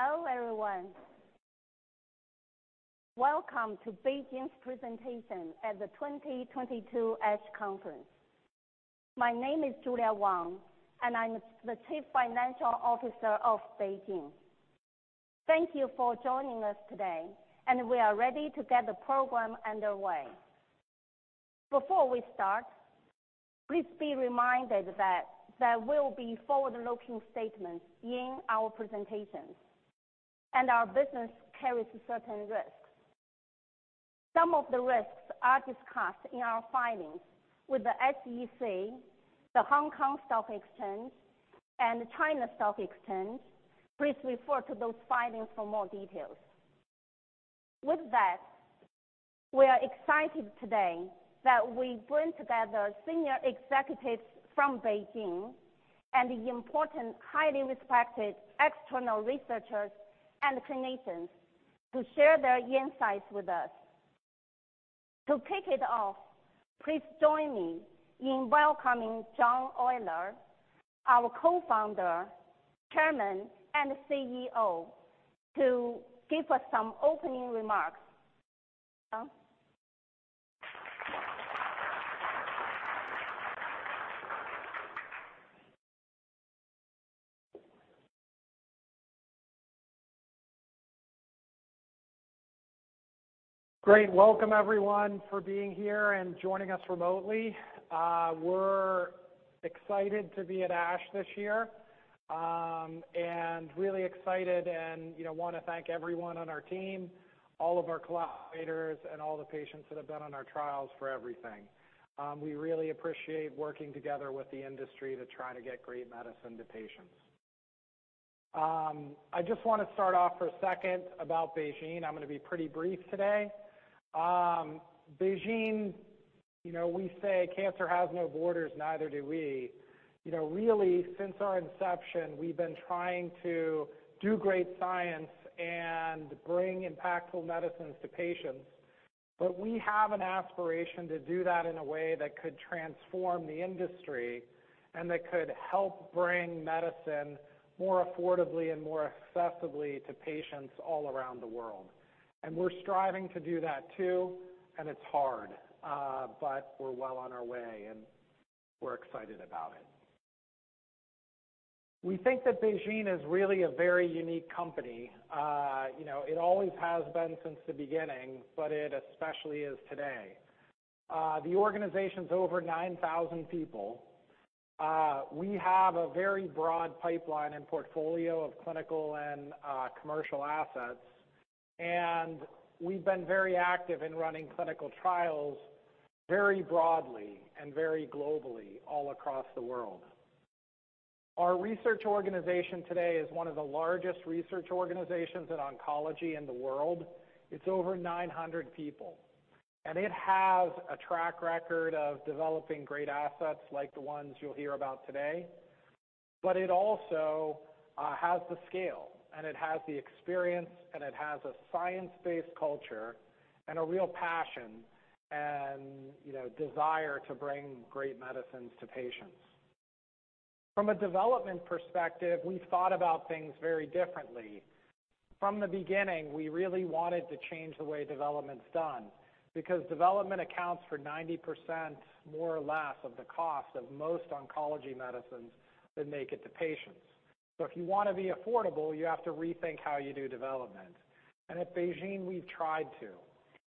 Hello, everyone. Welcome to BeiGene's presentation at the 2022 ASH Conference. My name is Julia Wang, and I'm the Chief Financial Officer of BeiGene. Thank you for joining us today, and we are ready to get the program underway. Before we start, please be reminded that there will be forward-looking statements in our presentations, and our business carries certain risks. Some of the risks are discussed in our filings with the SEC, the Hong Kong Stock Exchange, and the China Stock Exchange. Please refer to those filings for more details. With that, we are excited today that we bring together senior executives from BeiGene and important, highly respected external researchers and clinicians to share their insights with us. To kick it off, please join me in welcoming John Oyler, our Co-Founder, Chairman, and CEO, to give us some opening remarks. John? Great. Welcome, everyone, for being here and joining us remotely. We're excited to be at ASH this year, and really excited and want to thank everyone on our team, all of our collaborators, and all the patients that have been on our trials for everything. We really appreciate working together with the industry to try to get great medicine to patients. I just want to start off for a second about BeiGene. I'm going to be pretty brief today. BeiGene, we say cancer has no borders, neither do we. Really, since our inception, we've been trying to do great science and bring impactful medicines to patients. We have an aspiration to do that in a way that could transform the industry and that could help bring medicine more affordably and more accessibly to patients all around the world. We're striving to do that too, and it's hard. We're well on our way, and we're excited about it. We think that BeiGene is really a very unique company. It always has been since the beginning, but it especially is today. The organization's over 9,000 people. We have a very broad pipeline and portfolio of clinical and commercial assets, and we've been very active in running clinical trials very broadly and very globally all across the world. Our research organization today is one of the largest research organizations in oncology in the world. It's over 900 people, and it has a track record of developing great assets like the ones you'll hear about today. It also has the scale, and it has the experience, and it has a science-based culture and a real passion, and desire to bring great medicines to patients. From a development perspective, we've thought about things very differently. From the beginning, we really wanted to change the way development's done, because development accounts for 90%, more or less, of the cost of most oncology medicines that make it to patients. If you want to be affordable, you have to rethink how you do development, and at BeiGene, we've tried to.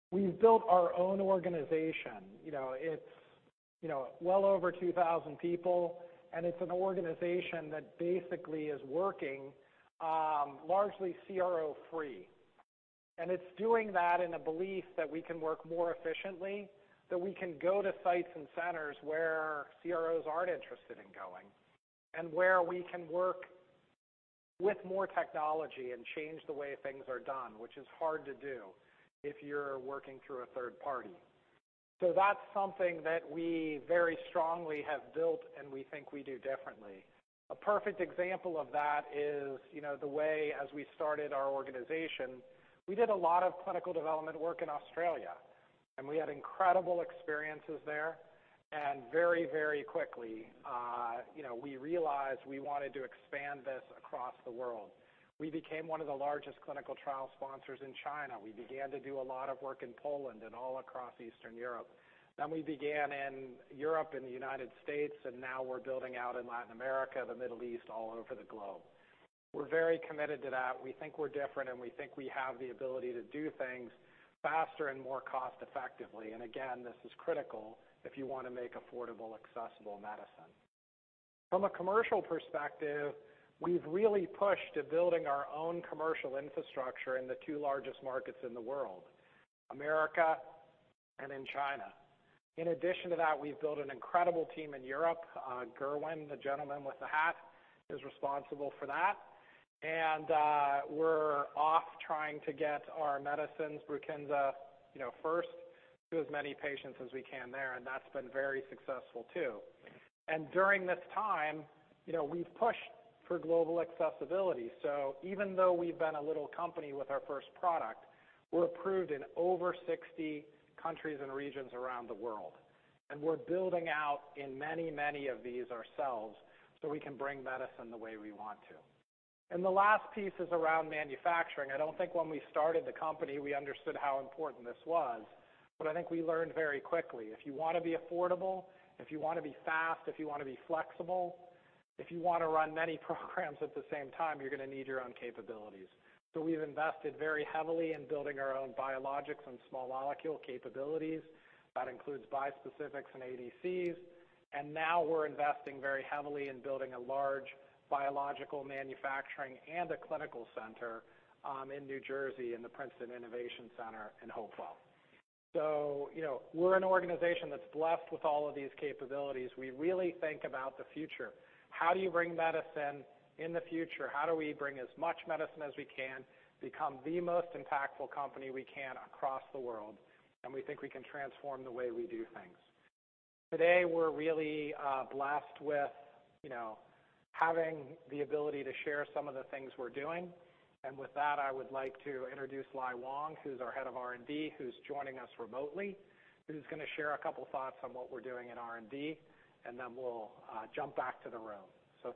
We've built our own organization. It's well over 2,000 people, and it's an organization that basically is working largely CRO-free. It's doing that in a belief that we can work more efficiently, that we can go to sites and centers where CROs aren't interested in going, and where we can work with more technology and change the way things are done, which is hard to do if you're working through a third party. That's something that we very strongly have built, and we think we do differently. A perfect example of that is the way, as we started our organization, we did a lot of clinical development work in Australia, we had incredible experiences there, very quickly we realized we wanted to expand this across the world. We became one of the largest clinical trial sponsors in China. We began to do a lot of work in Poland and all across Eastern Europe. We began in Europe and the U.S., and now we're building out in Latin America, the Middle East, all over the globe. We're very committed to that. We think we're different, and we think we have the ability to do things faster and more cost-effectively, again, this is critical if you want to make affordable, accessible medicine. From a commercial perspective, we've really pushed to building our own commercial infrastructure in the two largest markets in the world, the U.S. and in China. In addition to that, we've built an incredible team in Europe. Gerwyn, the gentleman with the hat, is responsible for that. We're off trying to get our medicines, BRUKINSA first, to as many patients as we can there, that's been very successful too. During this time, we've pushed for global accessibility. Even though we've been a little company with our first product, we're approved in over 60 countries and regions around the world. We're building out in many of these ourselves so we can bring medicine the way we want to. The last piece is around manufacturing. I don't think when we started the company, we understood how important this was, but I think we learned very quickly. If you want to be affordable, if you want to be fast, if you want to be flexible, if you want to run many programs at the same time, you're going to need your own capabilities. We've invested very heavily in building our own biologics and small molecule capabilities. That includes bispecifics and ADCs, now we're investing very heavily in building a large biological manufacturing and a clinical center in New Jersey in the Princeton Innovation Center in Hopewell. We're an organization that's blessed with all of these capabilities. We really think about the future. How do you bring medicine in the future? How do we bring as much medicine as we can, become the most impactful company we can across the world, we think we can transform the way we do things. Today, we're really blessed with having the ability to share some of the things we're doing. With that, I would like to introduce Lai Wang, who's our head of R&D, who's joining us remotely, who's going to share a couple thoughts on what we're doing in R&D, then we'll jump back to the room.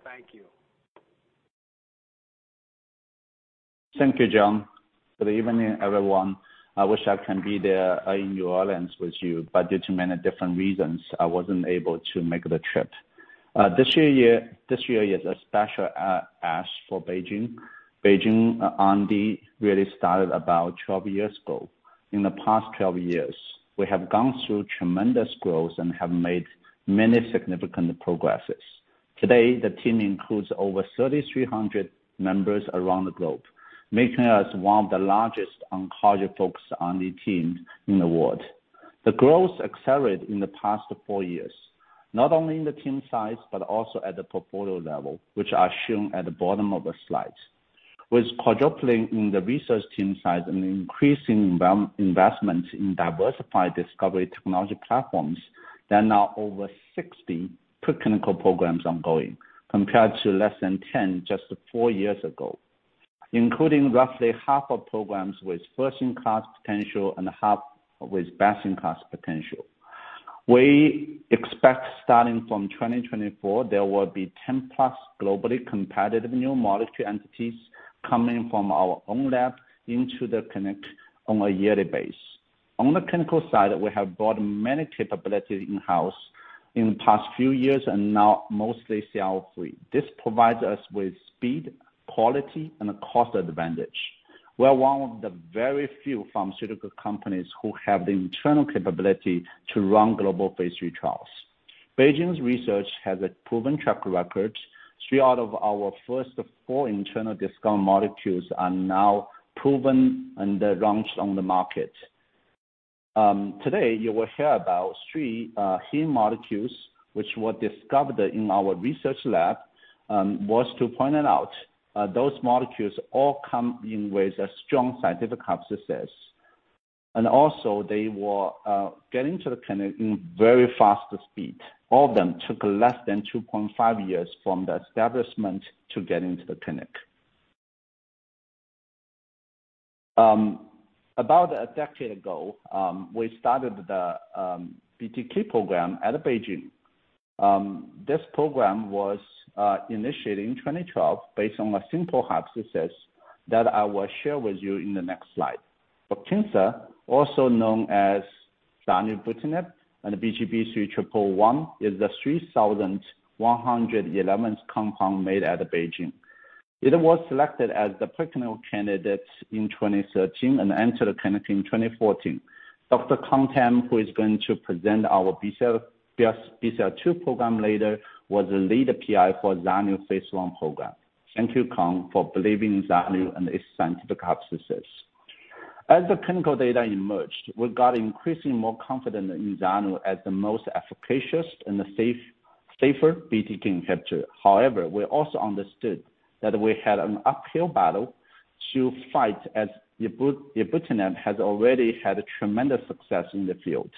Thank you. Thank you, John. Good evening, everyone. I wish I can be there in New Orleans with you, but due to many different reasons, I wasn't able to make the trip. This year is special for us for BeiGene. BeiGene R&D really started about 12 years ago. In the past 12 years, we have gone through tremendous growth and have made many significant progresses. Today, the team includes over 3,300 members around the globe, making us one of the largest oncology-focused R&D teams in the world. The growth accelerated in the past four years, not only in the team size, but also at the portfolio level, which are shown at the bottom of the slide. With quadrupling in the research team size and increasing investments in diversified discovery technology platforms, there are now over 60 preclinical programs ongoing, compared to less than 10 just four years ago, including roughly half of programs with first-in-class potential and half with best-in-class potential. We expect starting from 2024, there will be 10+ globally competitive new molecule entities coming from our own lab into the clinic on a yearly basis. On the clinical side, we have brought many capabilities in-house in the past few years and now mostly CRO-free. This provides us with speed, quality, and a cost advantage. We are one of the very few pharmaceutical companies who have the internal capability to run global phase III trials. BeiGene's research has a proven track record. Three out of our first four internal discovery molecules are now proven and launched on the market. Today, you will hear about three key molecules which were discovered in our research lab. Worth to point it out, those molecules all come in with a strong scientific hypothesis, and also they were get into the clinic in very fast speed. All of them took less than 2.5 years from the establishment to get into the clinic. About a decade ago, we started the BTK program out of BeiGene. This program was initiated in 2012 based on a simple hypothesis that I will share with you in the next slide. BRUKINSA, also known as zanubrutinib and BGB-3111, is the 3,111th compound made out of BeiGene. It was selected as the preclinical candidate in 2013 and entered the clinic in 2014. Dr. Con Tam, who is going to present our BCL-2 program later, was the lead PI for zanu phase I program. Thank you, Con, for believing in zanu and its scientific hypothesis. As the clinical data emerged, we got increasingly more confident in zanu as the most efficacious and safer BTK inhibitor. We also understood that we had an uphill battle to fight as ibrutinib has already had a tremendous success in the field.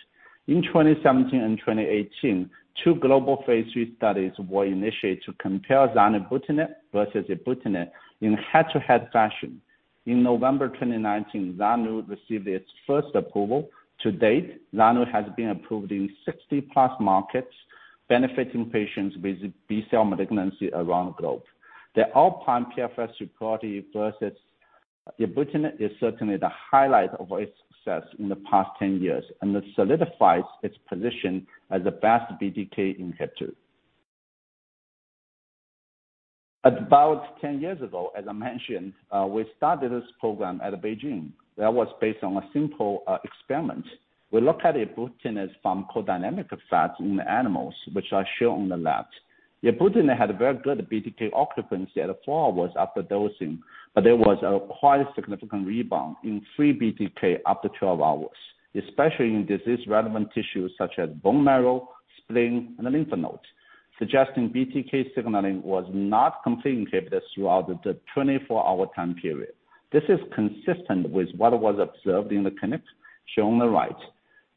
In 2017 and 2018, two global phase III studies were initiated to compare zanubrutinib versus ibrutinib in head-to-head fashion. In November 2019, zanu received its first approval. To date, zanu has been approved in 60+ markets, benefiting patients with B-cell malignancy around the globe. The upfront PFS superiority versus ibrutinib is certainly the highlight of its success in the past 10 years, and it solidifies its position as the best BTK inhibitor. About 10 years ago, as I mentioned, we started this program out of BeiGene. That was based on a simple experiment. We looked at ibrutinib's pharmacodynamic effect in animals, which are shown on the left. ibrutinib had very good BTK occupancy at 4 hours after dosing, but there was a quite significant rebound in free BTK after 12 hours, especially in disease-relevant tissues such as bone marrow, spleen, and the lymph nodes, suggesting BTK signaling was not completely inhibited throughout the 24-hour time period. This is consistent with what was observed in the clinic, shown on the right.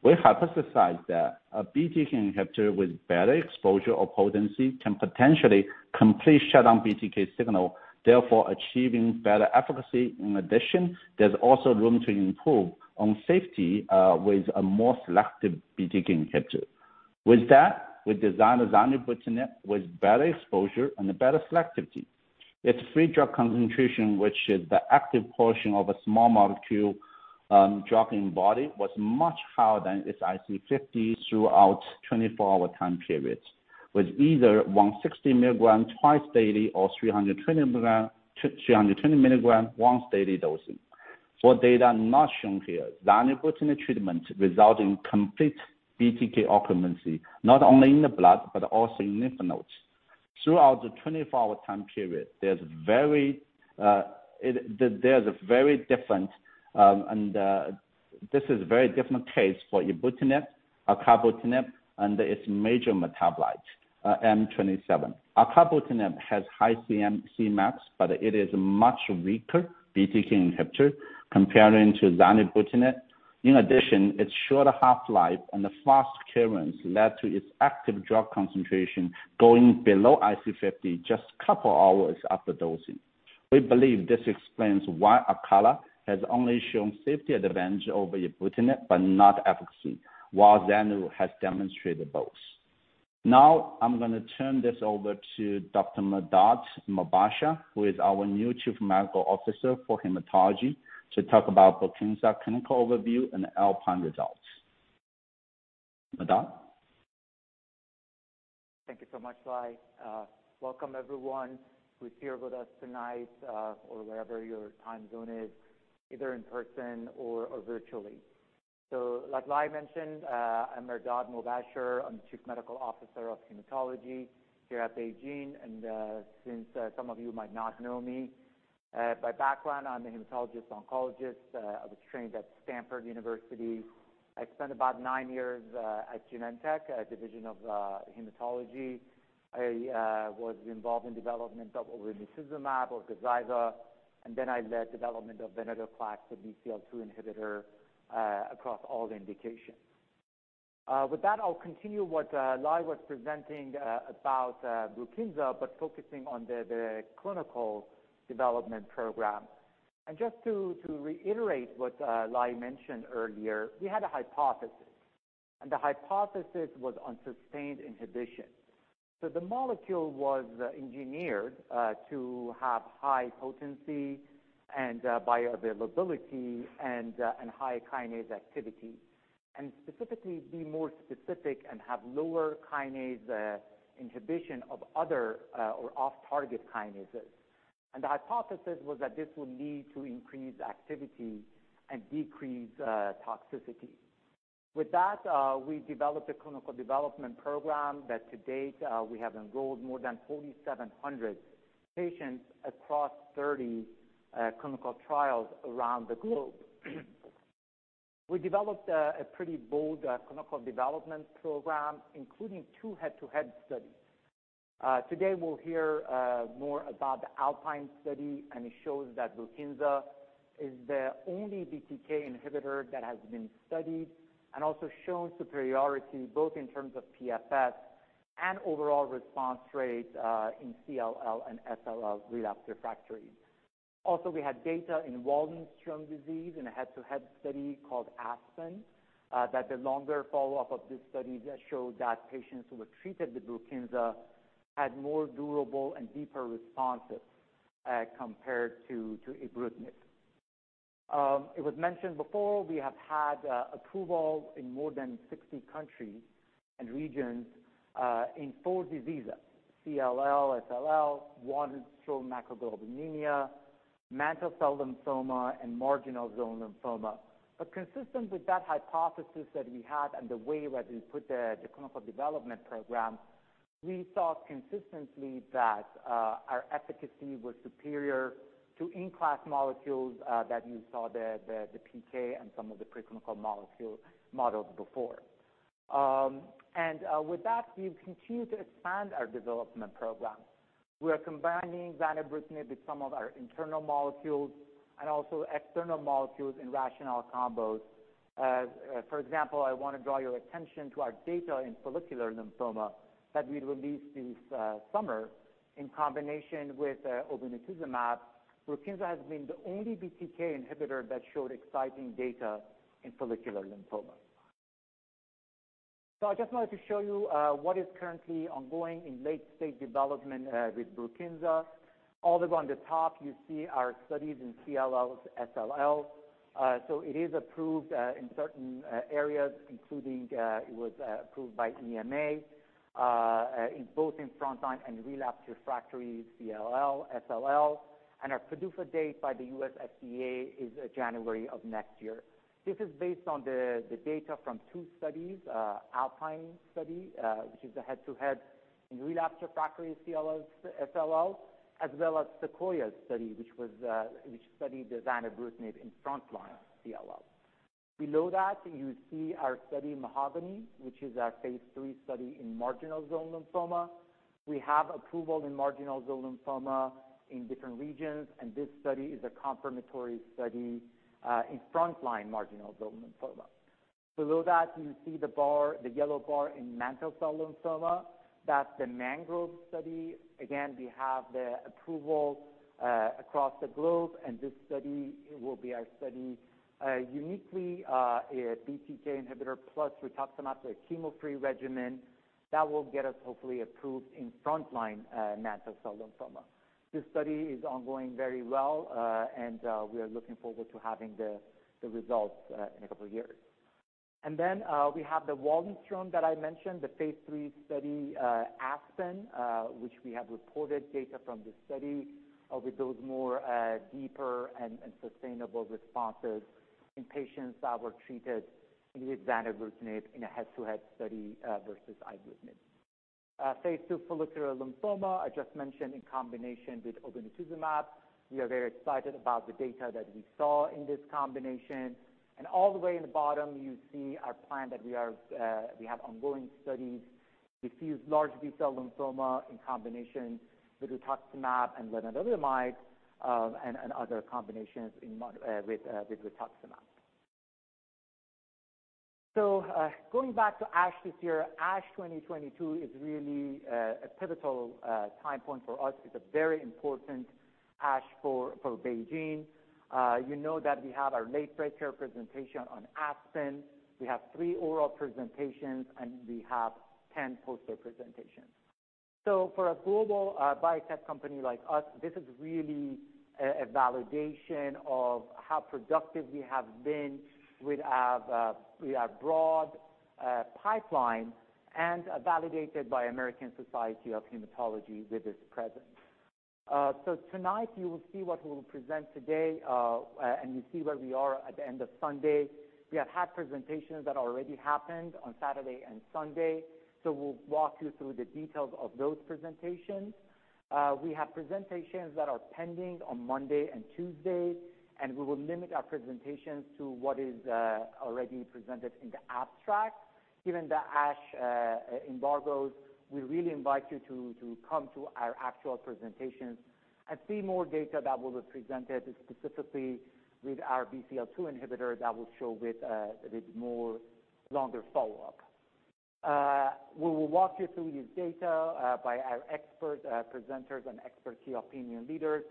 We hypothesized that a BTK inhibitor with better exposure or potency can potentially completely shut down BTK signal, therefore achieving better efficacy. In addition, there's also room to improve on safety with a more selective BTK inhibitor. With that, we designed zanubrutinib with better exposure and better selectivity. Its free drug concentration, which is the active portion of a small molecule drug in the body, was much higher than its IC50 throughout 24-hour time periods, with either 160 milligrams twice daily or 320 milligrams once daily dosing. For data not shown here, zanubrutinib treatment resulting complete BTK occupancy, not only in the blood but also in lymph nodes. Throughout the 24-hour time period, there's a very different case for ibrutinib, acalabrutinib, and its major metabolite, M27. acalabrutinib has high Cmax, but it is a much weaker BTK inhibitor compared to zanubrutinib. In addition, its shorter half-life and the fast clearance led to its active drug concentration going below IC50 just a couple of hours after dosing. We believe this explains why Acala has only shown safety advantage over ibrutinib but not efficacy, while Zanu has demonstrated both. I'm going to turn this over to Dr. Mehrdad Mobasher, who is our new Chief Medical Officer for Hematology, to talk about BRUKINSA clinical overview and ALPINE results. Mehrdad? Thank you so much, Lai. Welcome everyone who's here with us tonight, or wherever your time zone is, either in person or virtually. like Lai mentioned, I'm Mehrdad Mobasher. I'm the Chief Medical Officer of Hematology here at BeiGene, and since some of you might not know me, by background, I'm a hematologist oncologist. I was trained at Stanford University. I spent about 9 years at Genentech, division of hematology. I was involved in development of obinutuzumab, or GAZYVA, and then I led development of another class of BCL-2 inhibitor across all the indications. With that, I'll continue what Lai was presenting about BRUKINSA, but focusing on the clinical development program. And just to reiterate what Lai mentioned earlier, we had a hypothesis, and the hypothesis was on sustained inhibition. The molecule was engineered to have high potency and bioavailability and high kinase activity, and specifically be more specific and have lower kinase inhibition of other or off-target kinases. The hypothesis was that this would lead to increased activity and decreased toxicity. With that, we developed a clinical development program that to date we have enrolled more than 4,700 patients across 30 clinical trials around the globe. We developed a pretty bold clinical development program, including two head-to-head studies. Today we'll hear more about the ALPINE study, and it shows that BRUKINSA is the only BTK inhibitor that has been studied and also shown superiority both in terms of PFS and overall response rates in CLL and SLL relapsed/refractory. We had data in Waldenström disease in a head-to-head study called ASPEN, that the longer follow-up of this study showed that patients who were treated with BRUKINSA had more durable and deeper responses compared to ibrutinib. It was mentioned before, we have had approval in more than 60 countries and regions in four diseases, CLL, SLL, Waldenström macroglobulinemia, mantle cell lymphoma, and marginal zone lymphoma. Consistent with that hypothesis that we had and the way that we put the clinical development program, we saw consistently that our efficacy was superior to in-class molecules that you saw the PK and some of the preclinical models before. With that, we've continued to expand our development program. We're combining zanubrutinib with some of our internal molecules and also external molecules in rational combos. For example, I want to draw your attention to our data in follicular lymphoma that we released this summer in combination with obinutuzumab. BRUKINSA has been the only BTK inhibitor that showed exciting data in follicular lymphoma. I just wanted to show you what is currently ongoing in late-stage development with BRUKINSA. All the way on the top, you see our studies in CLL/SLL. It is approved in certain areas, including it was approved by EMA, both in frontline and relapsed/refractory CLL/SLL. Our PDUFA date by the U.S. FDA is January of next year. This is based on the data from two studies, ALPINE study which is the head-to-head in relapsed/refractory CLL/SLL, as well as SEQUOIA study, which studied zanubrutinib in frontline CLL. Below that, you see our study MAHOGANY, which is our phase III study in marginal zone lymphoma. We have approval in marginal zone lymphoma in different regions. This study is a confirmatory study in frontline marginal zone lymphoma. Below that, you see the yellow bar in mantle cell lymphoma. That's the MANGROVE study. Again, we have the approval across the globe. This study will be our study, uniquely a BTK inhibitor plus rituximab, a chemo-free regimen That will get us hopefully approved in frontline mantle cell lymphoma. This study is ongoing very well, and we are looking forward to having the results in a couple of years. We have the Waldenström that I mentioned, the phase III study ASPEN, which we have reported data from this study with those more deeper and sustainable responses in patients that were treated with zanubrutinib in a head-to-head study versus ibrutinib. Phase II follicular lymphoma, I just mentioned in combination with obinutuzumab. We are very excited about the data that we saw in this combination. All the way in the bottom you see our plan that we have ongoing studies. We diffuse large B-cell lymphoma in combination with rituximab and lenalidomide, and other combinations with rituximab. Going back to ASH this year, ASH 2022 is really a pivotal time point for us. It's a very important ASH for BeiGene. You know that we have our late-breaker presentation on ASPEN. We have three oral presentations, and we have 10 poster presentations. For a global biotech company like us, this is really a validation of how productive we have been with our broad pipeline and validated by American Society of Hematology with its presence. Tonight you will see what we'll present today, and you see where we are at the end of Sunday. We have had presentations that already happened on Saturday and Sunday. We'll walk you through the details of those presentations. We have presentations that are pending on Monday and Tuesday. We will limit our presentations to what is already presented in the abstract. Given the ASH embargoes, we really invite you to come to our actual presentations and see more data that will be presented specifically with our BCL-2 inhibitor that will show with more longer follow-up. We will walk you through this data by our expert presenters and expert key opinion leaders.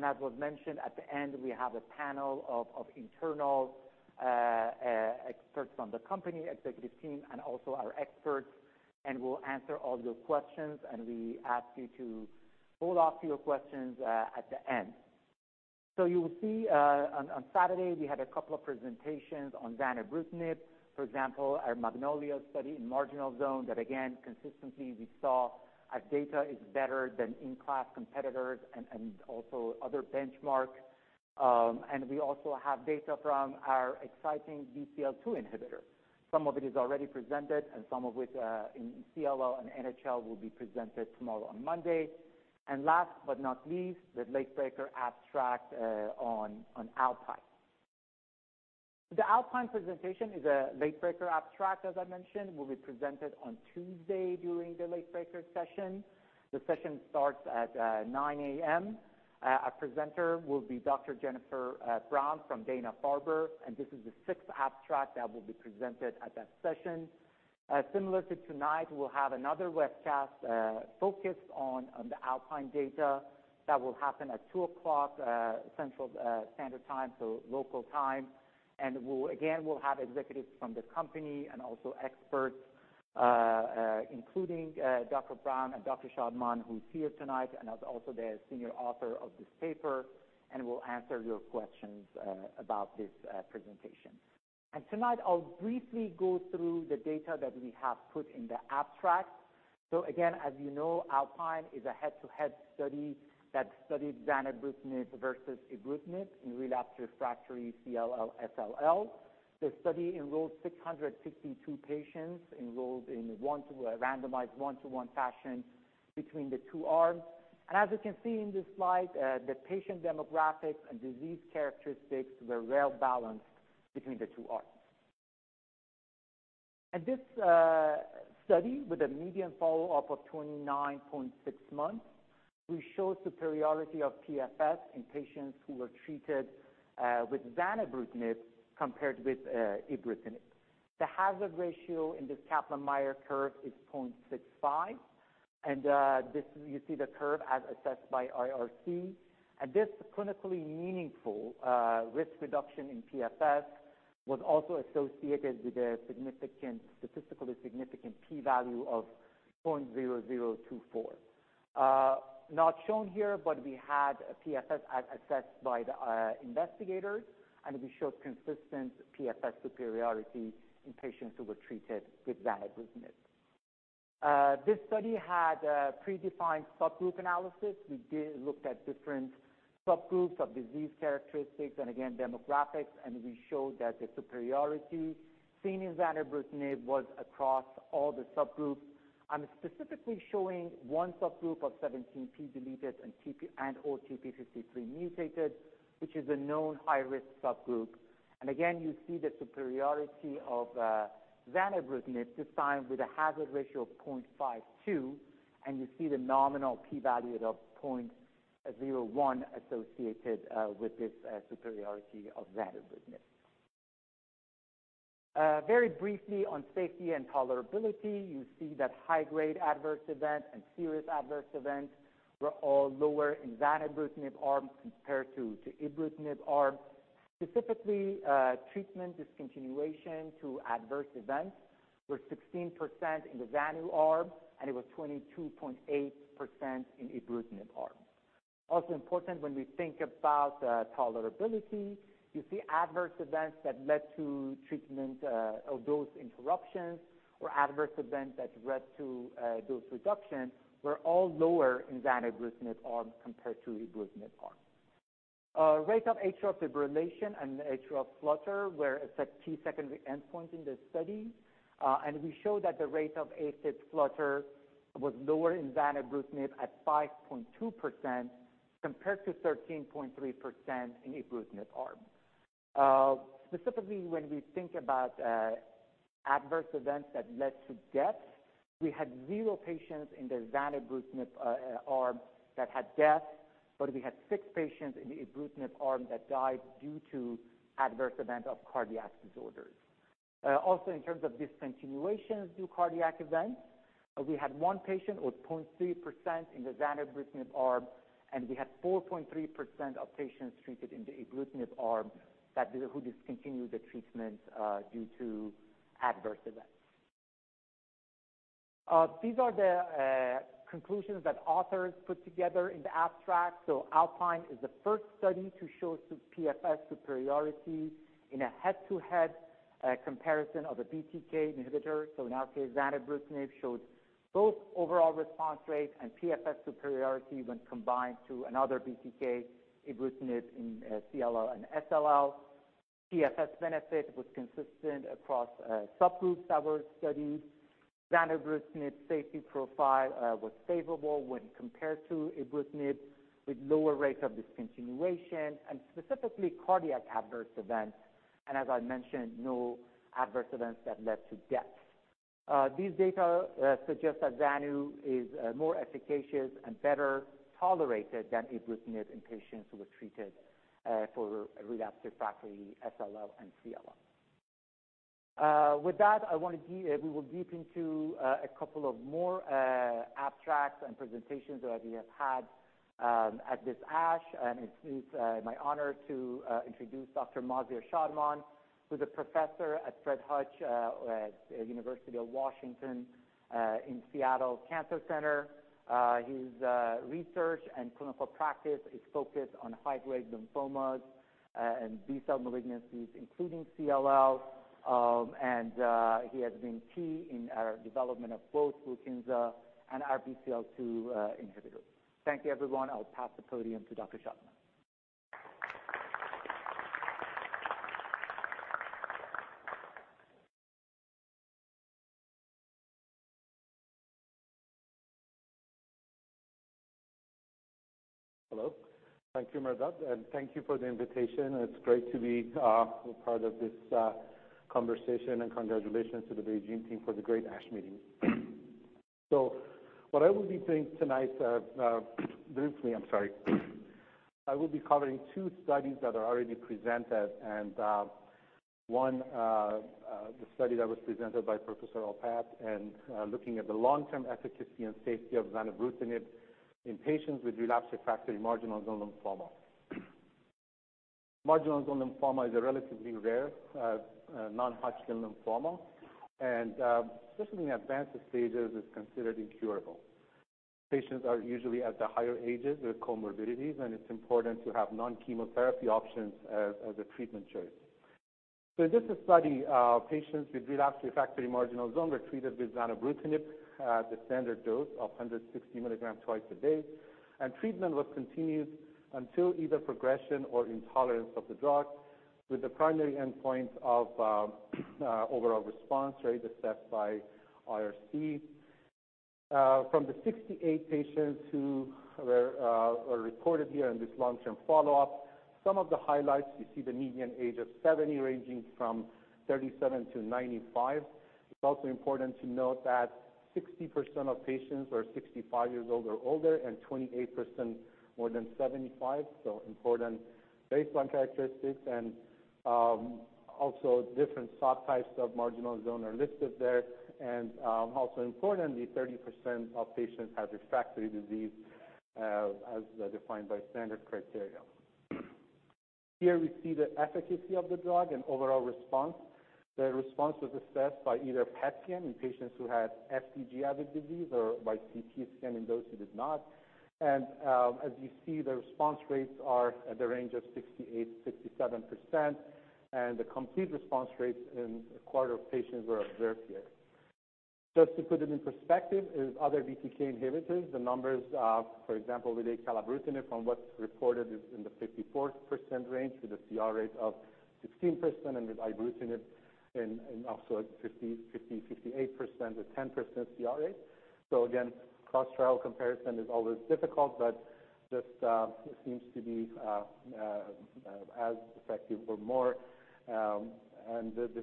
As was mentioned at the end, we have a panel of internal experts from the company executive team and also our experts. We'll answer all your questions. We ask you to hold off your questions at the end. You will see on Saturday we had a couple of presentations on zanubrutinib, for example, our MAGNOLIA study in marginal zone that again, consistently we saw our data is better than in-class competitors and also other benchmarks. We also have data from our exciting BCL-2 inhibitor. Some of it is already presented and some of which in CLL and NHL will be presented tomorrow on Monday. Last but not least, the late-breaker abstract on ALPINE. The ALPINE presentation is a late-breaker abstract, as I mentioned, will be presented on Tuesday during the late-breaker session. The session starts at 9:00 A.M. Our presenter will be Dr. Jennifer Brown from Dana-Farber. This is the sixth abstract that will be presented at that session. Similar to tonight, we'll have another webcast focused on the ALPINE data that will happen at 2:00 P.M. Central Standard Time, so local time. Again, we'll have executives from the company and also experts including Dr. Brown and Dr. Shahman, who's here tonight and is also the senior author of this paper. Will answer your questions about this presentation. Tonight I'll briefly go through the data that we have put in the abstract. Again, as you know, ALPINE is a head-to-head study that studied zanubrutinib versus ibrutinib in relapsed/refractory CLL, SLL. The study enrolled 662 patients, enrolled in a randomized one-to-one fashion between the two arms. As you can see in this slide, the patient demographics and disease characteristics were well-balanced between the two arms. In this study with a median follow-up of 29.6 months, we show superiority of PFS in patients who were treated with zanubrutinib compared with ibrutinib. The hazard ratio in this Kaplan-Meier curve is 0.65. You see the curve as assessed by IRC. This clinically meaningful risk reduction in PFS was also associated with a statistically significant P value of 0.0024. Not shown here, but we had a PFS as assessed by the investigators, and we showed consistent PFS superiority in patients who were treated with zanubrutinib. This study had a predefined subgroup analysis. We looked at different subgroups of disease characteristics and again, demographics, and we showed that the superiority seen in zanubrutinib was across all the subgroups. I am specifically showing one subgroup of 17p deleted and/or TP53 mutated, which is a known high-risk subgroup. Again, you see the superiority of zanubrutinib, this time with a hazard ratio of 0.52, and you see the nominal P value of 0.01 associated with this superiority of zanubrutinib. Briefly on safety and tolerability, you see that high-grade adverse event and serious adverse events were all lower in zanubrutinib arm compared to ibrutinib arm. Specifically, treatment discontinuation to adverse events were 16% in the zanu arm, and it was 22.8% in ibrutinib arm. Important when we think about tolerability, you see adverse events that led to treatment of dose interruptions or adverse events that led to dose reduction were all lower in zanubrutinib arm compared to ibrutinib arm. Rate of atrial fibrillation and atrial flutter were key secondary endpoint in this study. We show that the rate of AFib flutter was lower in zanu at 5.2%, compared to 13.3% in ibrutinib arm. When we think about adverse events that led to death, we had 0 patients in the zanubrutinib arm that had death, but we had six patients in the ibrutinib arm that died due to adverse event of cardiac disorders. In terms of discontinuation due to cardiac events, we had one patient or 0.3% in the zanubrutinib arm, and we had 4.3% of patients treated in the ibrutinib arm who discontinued the treatment due to adverse events. These are the conclusions that authors put together in the abstract. ALPINE is the first study to show PFS superiority in a head-to-head comparison of a BTK inhibitor. In our case, zanubrutinib showed both overall response rate and PFS superiority when combined to another BTK, ibrutinib in CLL and SLL. PFS benefit was consistent across subgroups that were studied. Zanubrutinib safety profile was favorable when compared to ibrutinib, with lower rates of discontinuation and specifically cardiac adverse events, and as I mentioned, no adverse events that led to death. These data suggest that zanu is more efficacious and better tolerated than ibrutinib in patients who were treated for relapsed refractory SLL and CLL. With that, we will deep into a couple of more abstracts and presentations that we have had at this ASH, and it is my honor to introduce Dr. Mazyar Shadman, who is a professor at Fred Hutchinson Cancer Center at University of Washington. His research and clinical practice is focused on high-grade lymphomas and B-cell malignancies, including CLL. He has been key in our development of both BRUKINSA and our BCL-2 inhibitor. Thank you everyone. I will pass the podium to Dr. Shadman. Hello. Thank you, Mehrdad, and thank you for the invitation. It is great to be part of this conversation, congratulations to the BeiGene team for the great ASH meeting. What I will be doing tonight, briefly, I am sorry. I will be covering 2 studies that are already presented, one, the study that was presented by Professor Alpat and looking at the long-term efficacy and safety of venetoclax in patients with relapsed/refractory marginal zone lymphoma. Marginal zone lymphoma is a relatively rare non-Hodgkin lymphoma, especially in advanced stages, is considered incurable. Patients are usually at the higher ages with comorbidities, it is important to have non-chemotherapy options as a treatment choice. This is study patients with relapsed/refractory marginal zone were treated with venetoclax at the standard dose of 160 milligrams twice a day, treatment was continued until either progression or intolerance of the drug, with the primary endpoint of overall response rate assessed by IRC. From the 68 patients who were reported here in this long-term follow-up, some of the highlights, you see the median age of 70, ranging from 37 to 95. It is also important to note that 60% of patients are 65 years old or older, 28% more than 75. Important baseline characteristics and also different subtypes of marginal zone are listed there. Also importantly, 30% of patients had refractory disease as defined by standard criteria. Here we see the efficacy of the drug and overall response. The response was assessed by either PET scan in patients who had FDG-avid disease or by CT scan in those who did not. As you see, the response rates are at the range of 68%, 67%, the complete response rates in a quarter of patients were observed here. Just to put it in perspective, is other BTK inhibitors, the numbers, for example, with acalabrutinib from what is reported is in the 54% range with a CR rate of 16%, with ibrutinib in also at 58% with 10% CR rate. Again, cross-trial comparison is always difficult, this seems to be as effective or more. We will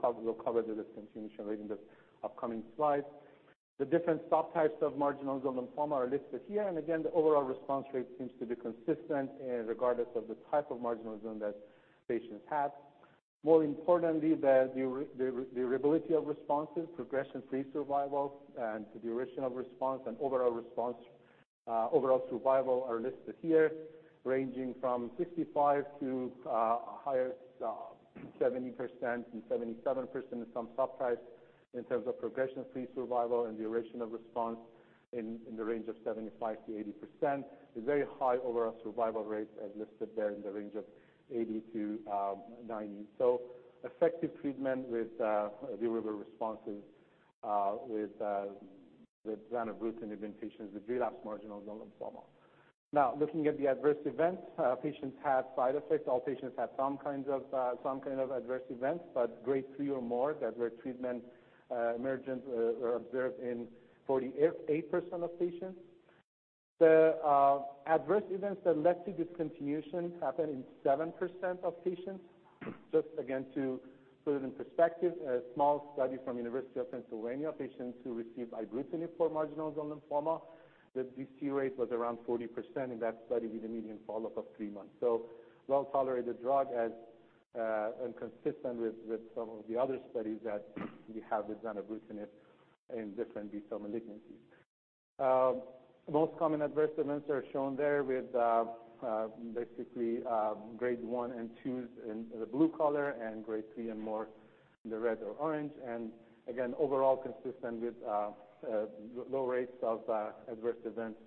cover the discontinuation rate in the upcoming slide. The different subtypes of marginal zone lymphoma are listed here. Again, the overall response rate seems to be consistent regardless of the type of marginal zone that patients have. More importantly, the durability of responses, progression-free survival, and the duration of response and overall survival are listed here, ranging from 65% to a higher 70% and 77% in some subtypes in terms of progression-free survival and duration of response in the range of 75%-80%, with very high overall survival rates as listed there in the range of 80%-90%. Effective treatment with durable responses with zanubrutinib in patients with relapsed marginal zone lymphoma. Now looking at the adverse events, patients had side effects. All patients had some kind of adverse event, Grade 3 or more, that where treatment emergence were observed in 48% of patients. The adverse events that led to discontinuation happened in 7% of patients. Just again, to put it in perspective, a small study from University of Pennsylvania, patients who received ibrutinib for marginal zone lymphoma, the DC rate was around 40% in that study with a median follow-up of three months. Well-tolerated drug and consistent with some of the other studies that we have with zanubrutinib in different B-cell malignancies. Most common adverse events are shown there with basically Grade 1 and 2s in the blue color and Grade 3 and more in the red or orange. Again, overall consistent with low rates of adverse events.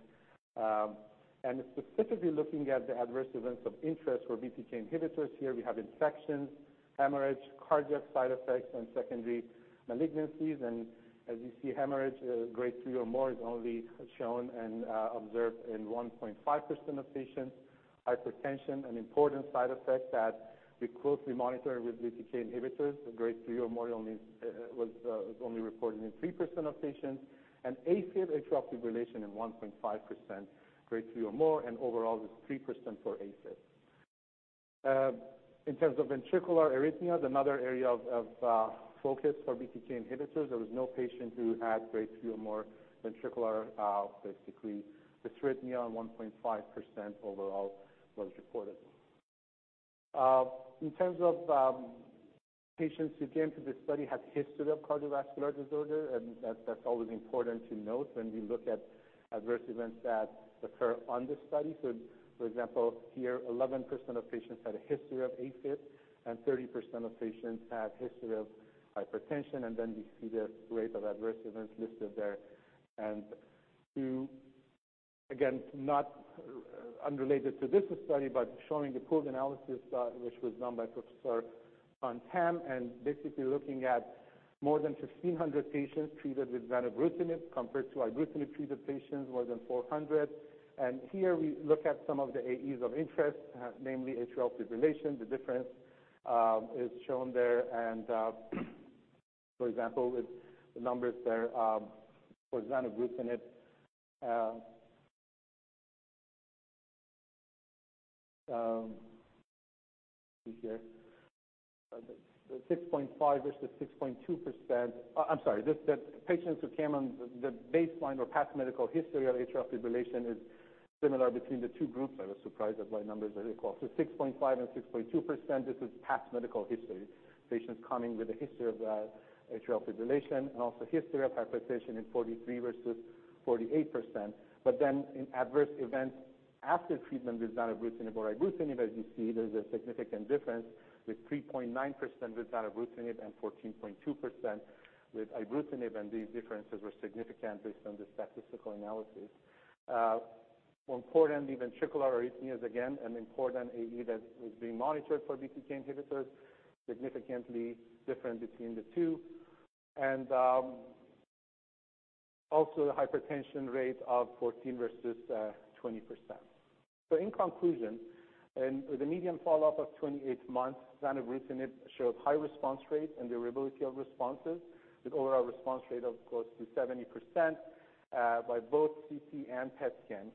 Specifically looking at the adverse events of interest for BTK inhibitors, here we have infections, hemorrhage, cardiac side effects, and secondary malignancies. As you see, hemorrhage Grade 3 or more is only shown and observed in 1.5% of patients. Hypertension, an important side effect that we closely monitor with BTK inhibitors, Grade 3 or more was only reported in 3% of patients. AFib, atrial fibrillation, in 1.5% Grade 3 or more, and overall it's 3% for AFib. In terms of ventricular arrhythmias, another area of focus for BTK inhibitors, there was no patient who had Grade 3 or more ventricular, basically, the arrhythmia in 1.5% overall was reported. In terms of patients who came to this study had history of cardiovascular disorder, and that's always important to note when we look at adverse events that occur on this study. For example, here 11% of patients had a history of AFib, and 30% of patients had history of hypertension. We see the rate of adverse events listed there. Again, unrelated to this study, but showing the pooled analysis, which was done by Professor Han Tam, basically looking at more than 1,500 patients treated with zanubrutinib compared to ibrutinib-treated patients, more than 400. Here we look at some of the AEs of interest, namely atrial fibrillation. The difference is shown there. For example, with the numbers there for zanubrutinib Let me see here. 6.5% versus 6.2%. I'm sorry. The patients who came on the baseline or past medical history of atrial fibrillation is similar between the two groups. I was surprised at why numbers are equal. 6.5% and 6.2%. This is past medical history, patients coming with a history of atrial fibrillation and also history of hypertension in 43% versus 48%. In adverse events after treatment with zanubrutinib or ibrutinib, as you see, there's a significant difference with 3.9% with zanubrutinib and 14.2% with ibrutinib, and these differences were significant based on the statistical analysis. More importantly, ventricular arrhythmias, again, an important AE that is being monitored for BTK inhibitors, significantly different between the two. Also the hypertension rate of 14% versus 20%. In conclusion, with a median follow-up of 28 months, zanubrutinib showed high response rates and durability of responses with overall response rate of close to 70% by both CT and PET scans.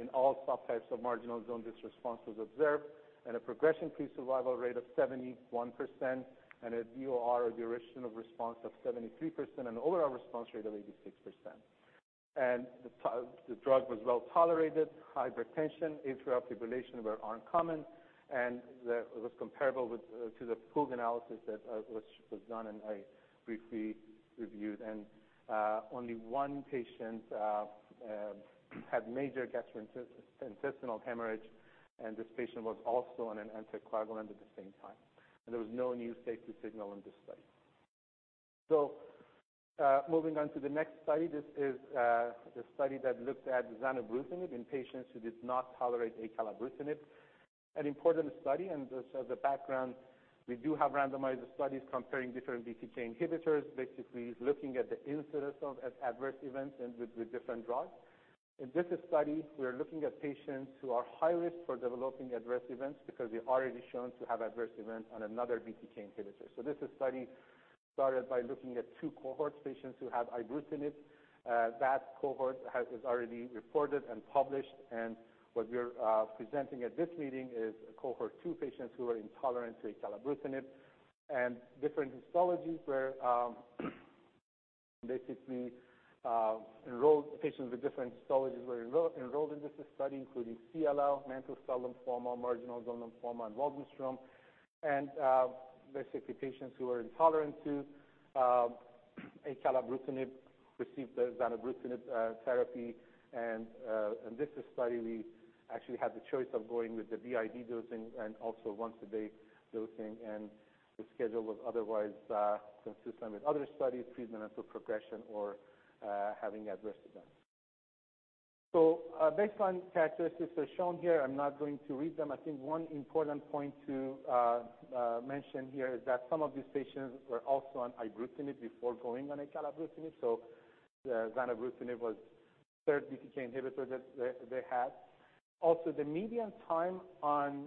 In all subtypes of marginal zone, this response was observed and a progression-free survival rate of 71% and a DOR or duration of response of 73% and an overall response rate of 86%. The drug was well-tolerated. Hypertension, atrial fibrillation were uncommon. It was comparable to the pooled analysis that was done and I briefly reviewed. Only one patient had major gastrointestinal hemorrhage, and this patient was also on an anticoagulant at the same time. There was no new safety signal in this study. Moving on to the next study. This is the study that looked at zanubrutinib in patients who did not tolerate acalabrutinib. An important study, just as a background, we do have randomized studies comparing different BTK inhibitors, basically looking at the incidence of adverse events and with the different drugs. In this study, we are looking at patients who are high risk for developing adverse events because they already shown to have adverse events on another BTK inhibitor. This study started by looking at 2 cohorts, patients who had ibrutinib. That cohort is already reported and published. What we're presenting at this meeting is cohort 2 patients who were intolerant to acalabrutinib. Patients with different histologies were enrolled in this study, including CLL, mantle cell lymphoma, marginal zone lymphoma, and Waldenstrom's. Basically, patients who were intolerant to acalabrutinib received the zanubrutinib therapy. In this study, we actually had the choice of going with the BID dosing and also once-a-day dosing, and the schedule was otherwise consistent with other studies, treatment until progression or having adverse events. Baseline characteristics are shown here. I'm not going to read them. I think one important point to mention here is that some of these patients were also on ibrutinib before going on acalabrutinib, so zanubrutinib was the third BTK inhibitor that they had. Also, the median time on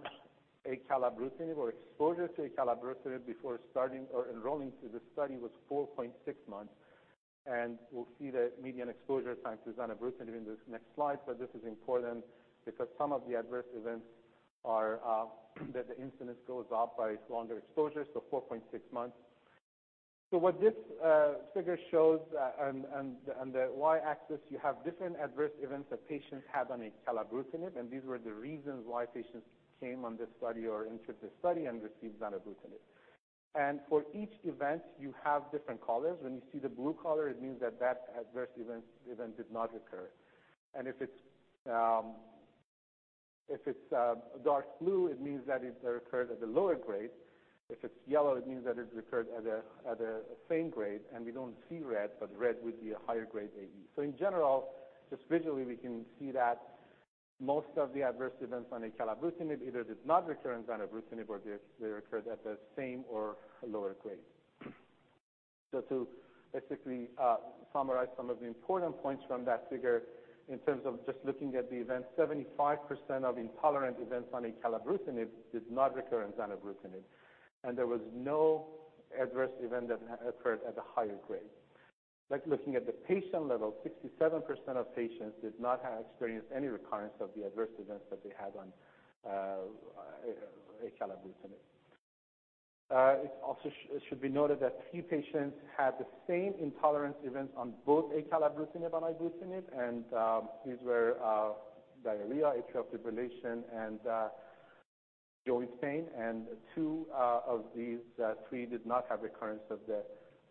acalabrutinib or exposure to acalabrutinib before starting or enrolling to this study was 4.6 months. We'll see the median exposure time to zanubrutinib in this next slide. This is important because some of the adverse events are that the incidence goes up by longer exposure, 4.6 months. What this figure shows on the Y-axis, you have different adverse events that patients had on acalabrutinib, and these were the reasons why patients came on this study or entered this study and received zanubrutinib. For each event, you have different colors. When you see the blue color, it means that that adverse event did not occur. If it's dark blue, it means that it occurred at a lower grade. If it's yellow, it means that it occurred at the same grade. We don't see red, but red would be a higher grade AE. In general, just visually, we can see that most of the adverse events on acalabrutinib either did not recur in zanubrutinib, or they occurred at the same or a lower grade. To basically summarize some of the important points from that figure in terms of just looking at the event, 75% of intolerant events on acalabrutinib did not recur in zanubrutinib. There was no adverse event that occurred at a higher grade. Next, looking at the patient level, 67% of patients did not experience any recurrence of the adverse events that they had on acalabrutinib. It also should be noted that few patients had the same intolerance events on both acalabrutinib and ibrutinib, and these were diarrhea, atrial fibrillation, and joint pain. Two of these three did not have recurrence of the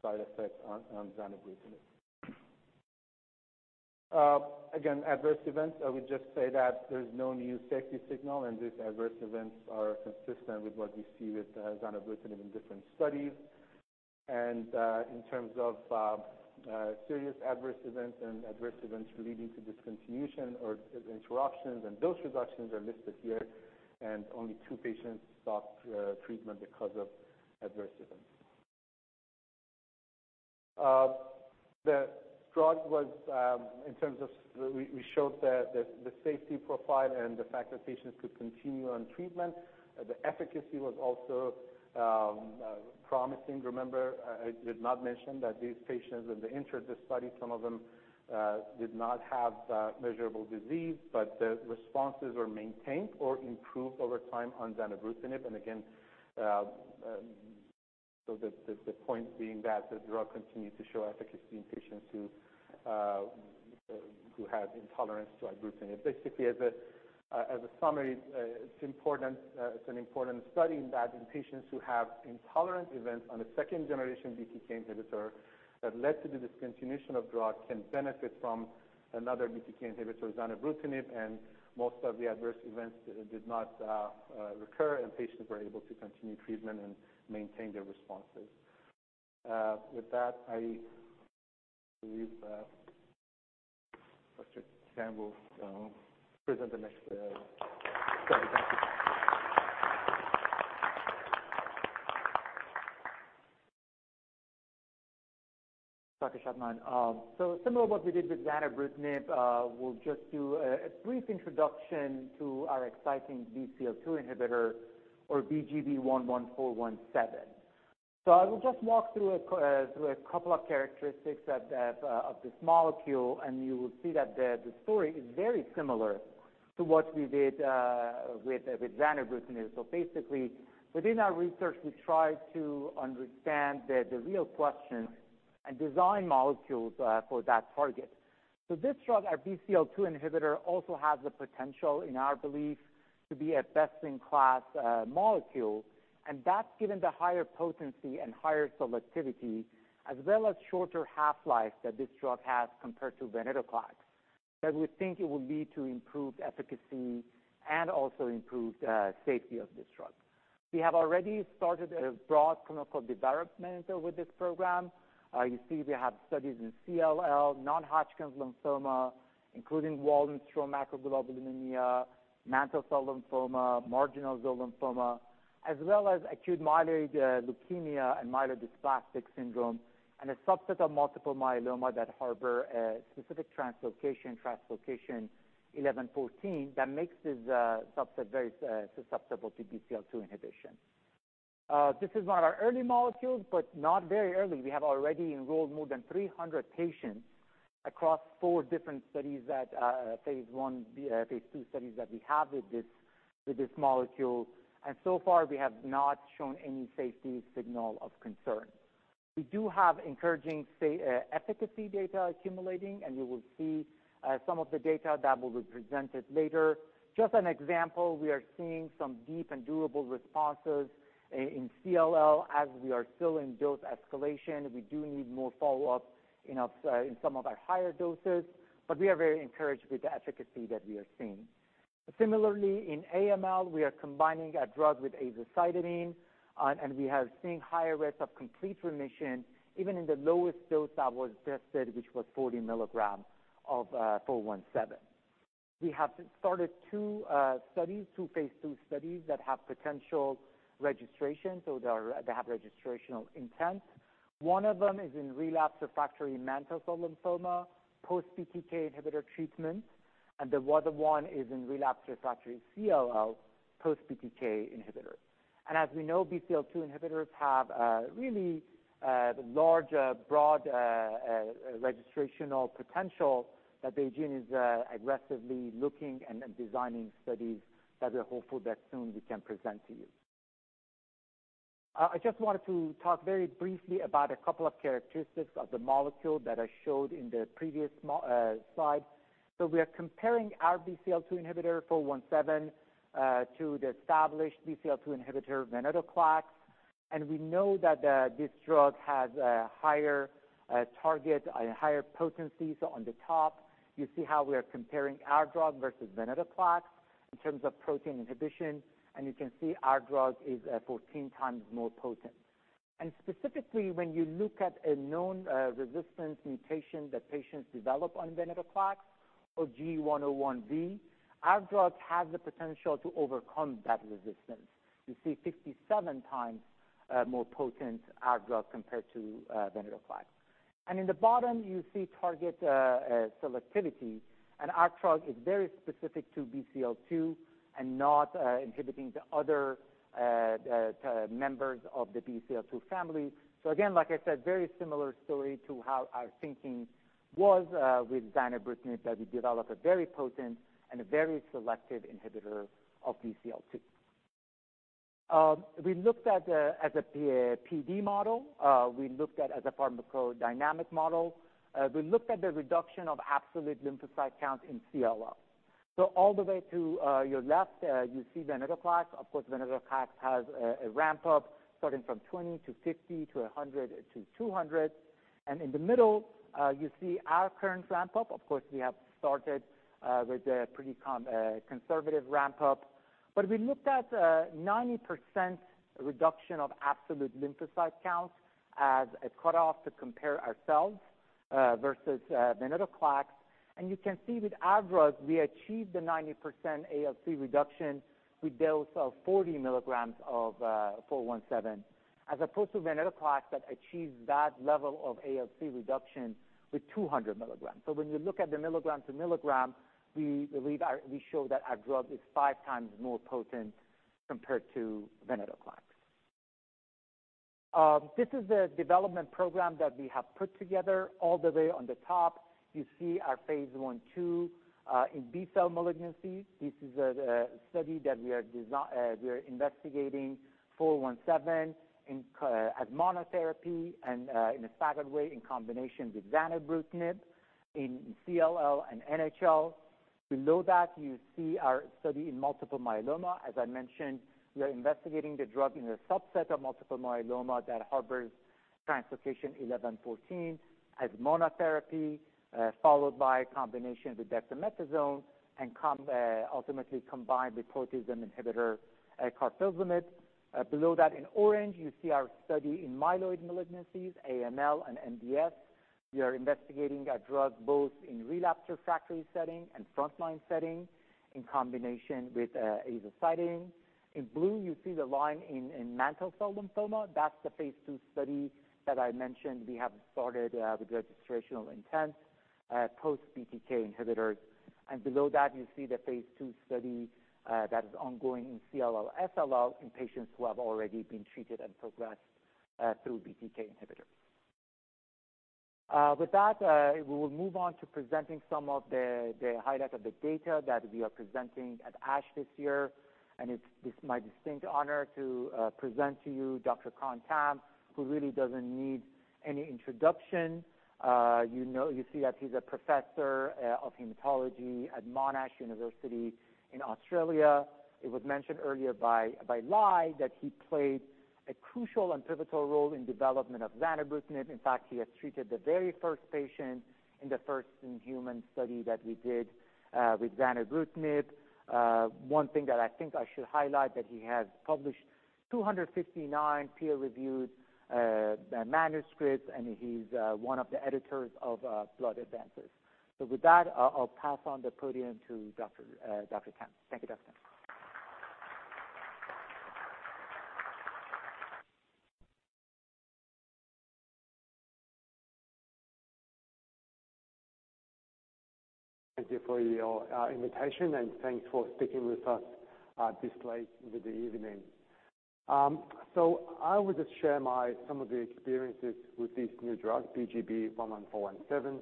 side effects on zanubrutinib. Adverse events, I would just say that there's no new safety signal, these adverse events are consistent with what we see with zanubrutinib in different studies. In terms of serious adverse events and adverse events leading to discontinuation or interruptions and dose reductions are listed here, only two patients stopped treatment because of adverse events. The drug was, in terms of we showed the safety profile and the fact that patients could continue on treatment. The efficacy was also promising. Remember, I did not mention that these patients, when they entered the study, some of them did not have measurable disease, but the responses were maintained or improved over time on zanubrutinib. The point being that the drug continued to show efficacy in patients who had intolerance to ibrutinib. As a summary, it's an important study in that in patients who have intolerance events on a second-generation BTK inhibitor that led to the discontinuation of drug can benefit from another BTK inhibitor, zanubrutinib, most of the adverse events did not recur, and patients were able to continue treatment and maintain their responses. With that, I believe Dr. Campbell will present the next study. Dr. Shadman. Similar to what we did with zanubrutinib, we'll just do a brief introduction to our exciting BCL-2 inhibitor or BGB-11417. I will just walk through a couple of characteristics of this molecule, and you will see that the story is very similar to what we did with zanubrutinib. Within our research, we try to understand the real question and design molecules for that target. This drug, our BCL-2 inhibitor, also has the potential, in our belief, to be a best-in-class molecule. That's given the higher potency and higher selectivity, as well as shorter half-life that this drug has compared to venetoclax. We think it will lead to improved efficacy and also improved safety of this drug. We have already started a broad clinical development with this program. You see we have studies in CLL, non-Hodgkin lymphoma, including Waldenström macroglobulinemia, mantle cell lymphoma, marginal zone lymphoma, as well as acute myeloid leukemia and myelodysplastic syndrome, and a subset of multiple myeloma that harbor a specific translocation 11;14, that makes this subset very susceptible to BCL-2 inhibition. This is one of our early molecules, but not very early. We have already enrolled more than 300 patients across four different studies that are phase II studies that we have with this molecule, so far, we have not shown any safety signal of concern. We do have encouraging efficacy data accumulating, and you will see some of the data that will be presented later. Just an example, we are seeing some deep and durable responses in CLL as we are still in dose escalation. We do need more follow-up in some of our higher doses, but we are very encouraged with the efficacy that we are seeing. Similarly, in AML, we are combining a drug with azacitidine, we are seeing higher rates of complete remission, even in the lowest dose that was tested, which was 40 milligrams of 4-1-7. We have started two phase II studies that have potential registration. They have registrational intent. One of them is in relapsed/refractory mantle cell lymphoma, post-BTK inhibitor treatment, the other one is in relapsed/refractory CLL, post-BTK inhibitor. As we know, BCL-2 inhibitors have a really large, broad registrational potential that BeiGene is aggressively looking and designing studies that we're hopeful that soon we can present to you. I just wanted to talk very briefly about a couple of characteristics of the molecule that I showed in the previous slide. We are comparing our BCL-2 inhibitor, 4-1-7, to the established BCL-2 inhibitor, venetoclax. We know that this drug has a higher target and higher potency. On the top, you see how we are comparing our drug versus venetoclax in terms of protein inhibition, you can see our drug is 14 times more potent. Specifically, when you look at a known resistance mutation that patients develop on venetoclax, or G101V, our drug has the potential to overcome that resistance. You see 57 times more potent our drug compared to venetoclax. In the bottom, you see target selectivity, our drug is very specific to BCL-2 and not inhibiting the other members of the BCL-2 family. Again, like I said, very similar story to how our thinking was with zanubrutinib, that we developed a very potent and a very selective inhibitor of BCL-2. We looked at the PD model. We looked at the pharmacodynamic model. We looked at the reduction of absolute lymphocyte count in CLL. All the way to your left, you see venetoclax. Of course, venetoclax has a ramp-up starting from 20 to 50 to 100 to 200. In the middle, you see our current ramp-up. Of course, we have started with a pretty conservative ramp-up. We looked at a 90% reduction of absolute lymphocyte count as a cutoff to compare ourselves versus venetoclax. You can see with our drug, we achieved the 90% ALC reduction with dose of 40 milligrams of 4-1-7, as opposed to venetoclax that achieved that level of ALC reduction with 200 milligrams. When you look at the milligrams to milligram, we believe we show that our drug is five times more potent compared to venetoclax. This is a development program that we have put together. All the way on the top, you see our phase I/II in B-cell malignancy. This is a study that we are investigating 4-1-7 as monotherapy and in a staggered way in combination with zanubrutinib in CLL and NHL. Below that, you see our study in multiple myeloma. As I mentioned, we are investigating the drug in a subset of multiple myeloma that harbors translocation 11;14 as monotherapy, followed by combination with dexamethasone and ultimately combined with proteasome inhibitor carfilzomib. Below that in orange, you see our study in myeloid malignancies, AML and MDS. We are investigating a drug both in relapsed/refractory setting and frontline setting in combination with azacitidine. In blue, you see the line in mantle cell lymphoma. That's the phase II study that I mentioned we have started with registrational intent, post-BTK inhibitors. Below that, you see the phase II study that is ongoing in CLL/SLL in patients who have already been treated and progressed through BTK inhibitors. With that, we will move on to presenting some of the highlights of the data that we are presenting at ASH this year. It's my distinct honor to present to you Dr. Khan Tam, who really doesn't need any introduction. You see that he's a professor of hematology at Monash University in Australia. It was mentioned earlier by Ly that he played a crucial and pivotal role in development of zanubrutinib. In fact, he has treated the very first patient in the first-in-human study that we did with zanubrutinib. One thing that I think I should highlight that he has published 259 peer-reviewed manuscripts, and he's one of the editors of Blood Advances. With that, I'll pass on the podium to Dr. Tam. Thank you, Dr. Tam. Thank you for your invitation and thanks for sticking with us this late in the evening. I will just share some of the experiences with this new drug, BGB-11417.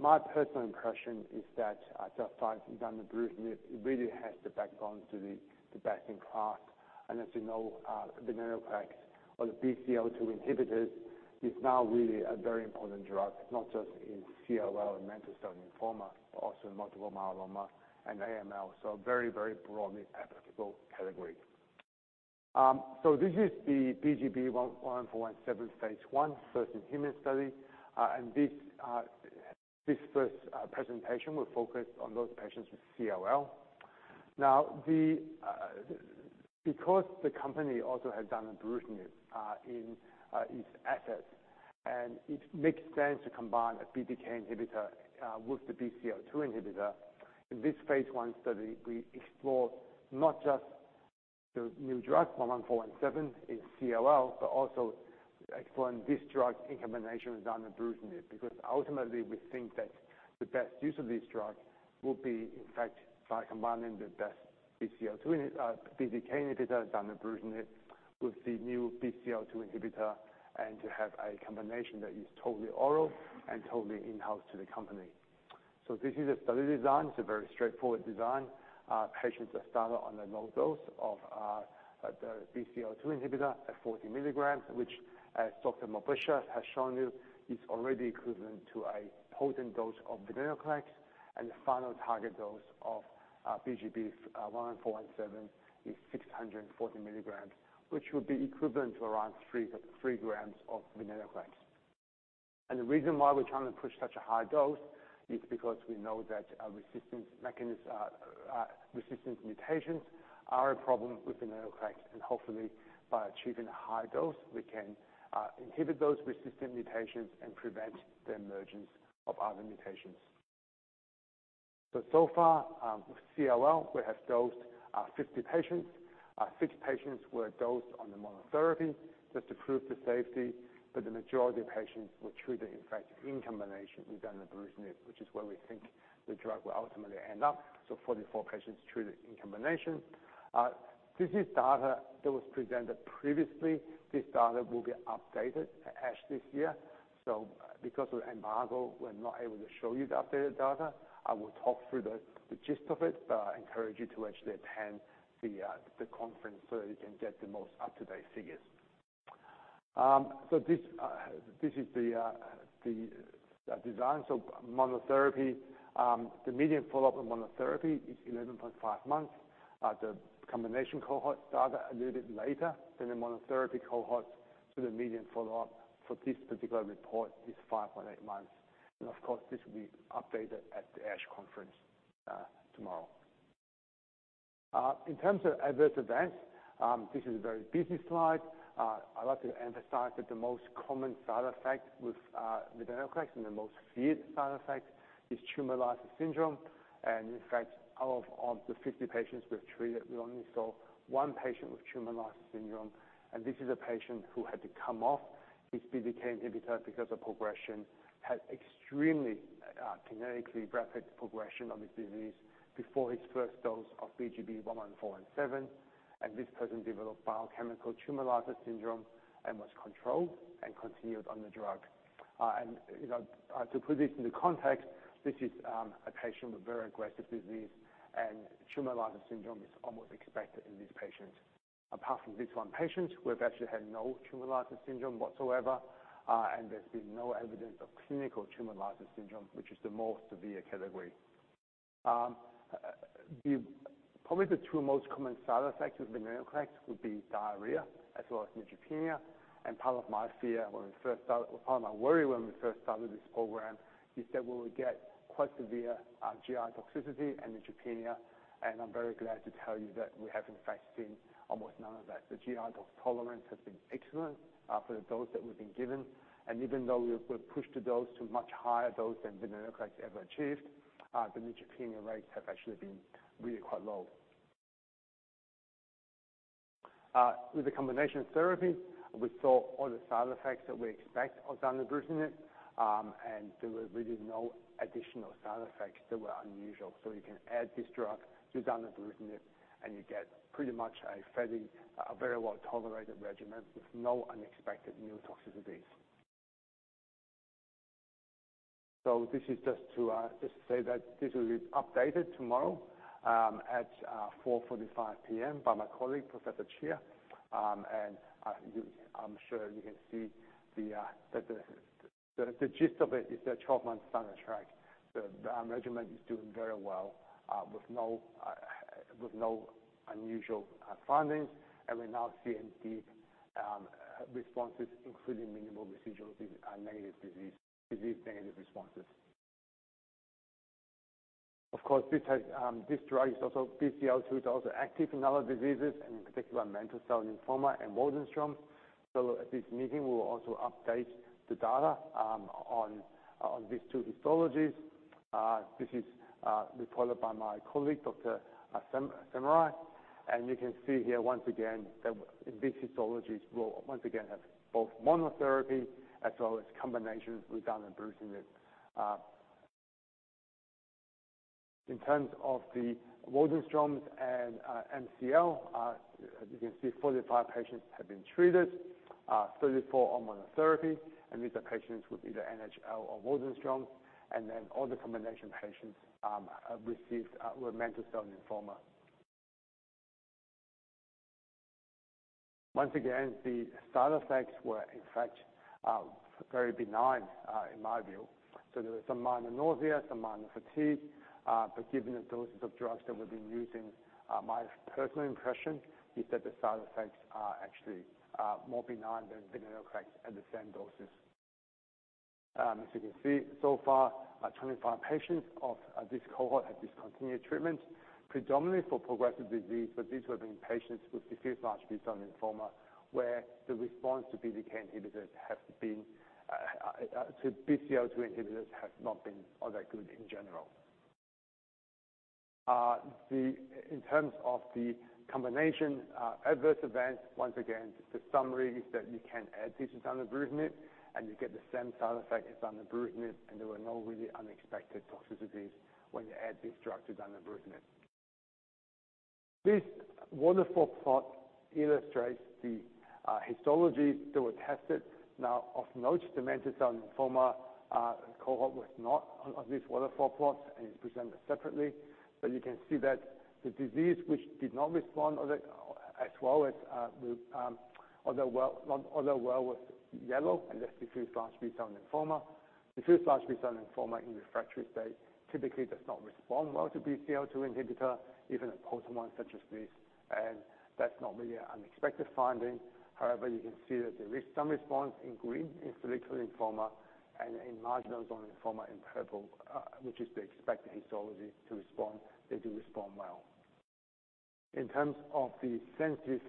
My personal impression is that, just like zanubrutinib, it really has the backbone to be the best in class. As you know, venetoclax or the BCL-2 inhibitor is now really a very important drug, not just in CLL and mantle cell lymphoma, but also in multiple myeloma and AML, very broadly applicable category. This is the BGB-11417 phase I first-in-human study. This first presentation will focus on those patients with CLL. Now, because the company also has zanubrutinib in its assets, it makes sense to combine a BTK inhibitor with the BCL-2 inhibitor. In this phase I study, we explore not just the new drug 11417 in CLL, but also exploring this drug in combination with zanubrutinib, because ultimately we think that the best use of this drug will be, in fact, by combining the best BTK inhibitor, zanubrutinib, with the new BCL-2 inhibitor and to have a combination that is totally oral and totally in-house to the company. This is a study design. It's a very straightforward design. Patients are started on a low dose of the BCL-2 inhibitor at 40 milligrams, which, as Dr. Mobasher has shown you, is already equivalent to a potent dose of venetoclax. The final target dose of BGB-11417 is 640 milligrams, which would be equivalent to around three grams of venetoclax. The reason why we're trying to push such a high dose is because we know that resistance mutations are a problem with venetoclax, and hopefully by achieving a high dose, we can inhibit those resistant mutations and prevent the emergence of other mutations. Far, with CLL, we have dosed 50 patients. six patients were dosed on the monotherapy just to prove the safety, but the majority of patients were treated, in fact, in combination with zanubrutinib, which is where we think the drug will ultimately end up. 44 patients treated in combination. This is data that was presented previously. This data will be updated at ASH this year. Because of embargo, we're not able to show you the updated data. I will talk through the gist of it, but I encourage you to actually attend the conference so you can get the most up-to-date figures. This is the design. Monotherapy, the median follow-up of monotherapy is 11.5 months. The combination cohort started a little bit later than the monotherapy cohort. The median follow-up for this particular report is five point eight months. Of course, this will be updated at the ASH conference tomorrow. In terms of adverse events, this is a very busy slide. I'd like to emphasize that the most common side effect with venetoclax and the most feared side effect is tumor lysis syndrome. In fact, out of the 50 patients we've treated, we only saw one patient with tumor lysis syndrome, and this is a patient who had to come off his BTK inhibitor because of progression. He had extremely genetically rapid progression of his disease before his first dose of BGB-11417, and this person developed biochemical tumor lysis syndrome and was controlled and continued on the drug. To put this into context, this is a patient with very aggressive disease and tumor lysis syndrome is almost expected in this patient. Apart from this one patient, we've actually had no tumor lysis syndrome whatsoever. There's been no evidence of clinical tumor lysis syndrome, which is the most severe category. Probably the two most common side effects with venetoclax would be diarrhea as well as neutropenia. Part of my fear when we first started, or part of my worry when we first started this program, is that we would get quite severe GI toxicity and neutropenia, and I'm very glad to tell you that we have in fact seen almost none of that. The GI tolerance has been excellent for the dose that we've been given. Even though we've pushed the dose to much higher dose than venetoclax ever achieved, the neutropenia rates have actually been really quite low. With the combination therapy, we saw all the side effects that we expect of zanubrutinib, and there were really no additional side effects that were unusual. You can add this drug to zanubrutinib, and you get pretty much a very well-tolerated regimen with no unexpected new toxicities. This is just to say that this will be updated tomorrow at 4:45 P.M. by my colleague, Professor Chia. I'm sure you can see the gist of it is that 12 months data track. The regimen is doing very well with no unusual findings. We're now seeing deep responses, including minimal residual disease and negative disease-negative responses. Of course, this drug is also BCL-2, it is also active in other diseases and in particular mantle cell lymphoma and Waldenström's. At this meeting, we will also update the data on these two histologies. Reported by my colleague, Dr. Semrai. You can see here once again that in this histology, once again, have both monotherapy as well as combinations with ibrutinib. In terms of the Waldenström's and MCL, as you can see, 45 patients have been treated, 34 on monotherapy, and these are patients with either NHL or Waldenström's. All the combination patients received were mantle cell lymphoma. Once again, the side effects were, in fact, very benign, in my view. There was some minor nausea, some minor fatigue. Given the doses of drugs that we've been using, my personal impression is that the side effects are actually more benign than venetoclax at the same doses. As you can see, so far, 25 patients of this cohort have discontinued treatment, predominantly for progressive disease, but these were in patients with diffuse large B-cell lymphoma, where the response to BCL-2 inhibitors has not been all that good in general. In terms of the combination adverse events, once again, the summary is that you can add this with ibrutinib, and you get the same side effects as on ibrutinib, and there were no really unexpected toxicities when you add these drugs to ibrutinib. This waterfall plot illustrates the histologies that were tested. Now, of note, the mantle cell lymphoma cohort was not on this waterfall plot and is presented separately. You can see that the disease which did not respond as well with yellow, and that's diffuse large B-cell lymphoma. Diffuse large B-cell lymphoma in refractory state typically does not respond well to BCL-2 inhibitor, even a potent one such as this, and that's not really an unexpected finding. However, you can see that there is some response in green in follicular lymphoma and in marginal zone lymphoma in purple, which is the expected histology to respond. They do respond well. In terms of the sensitive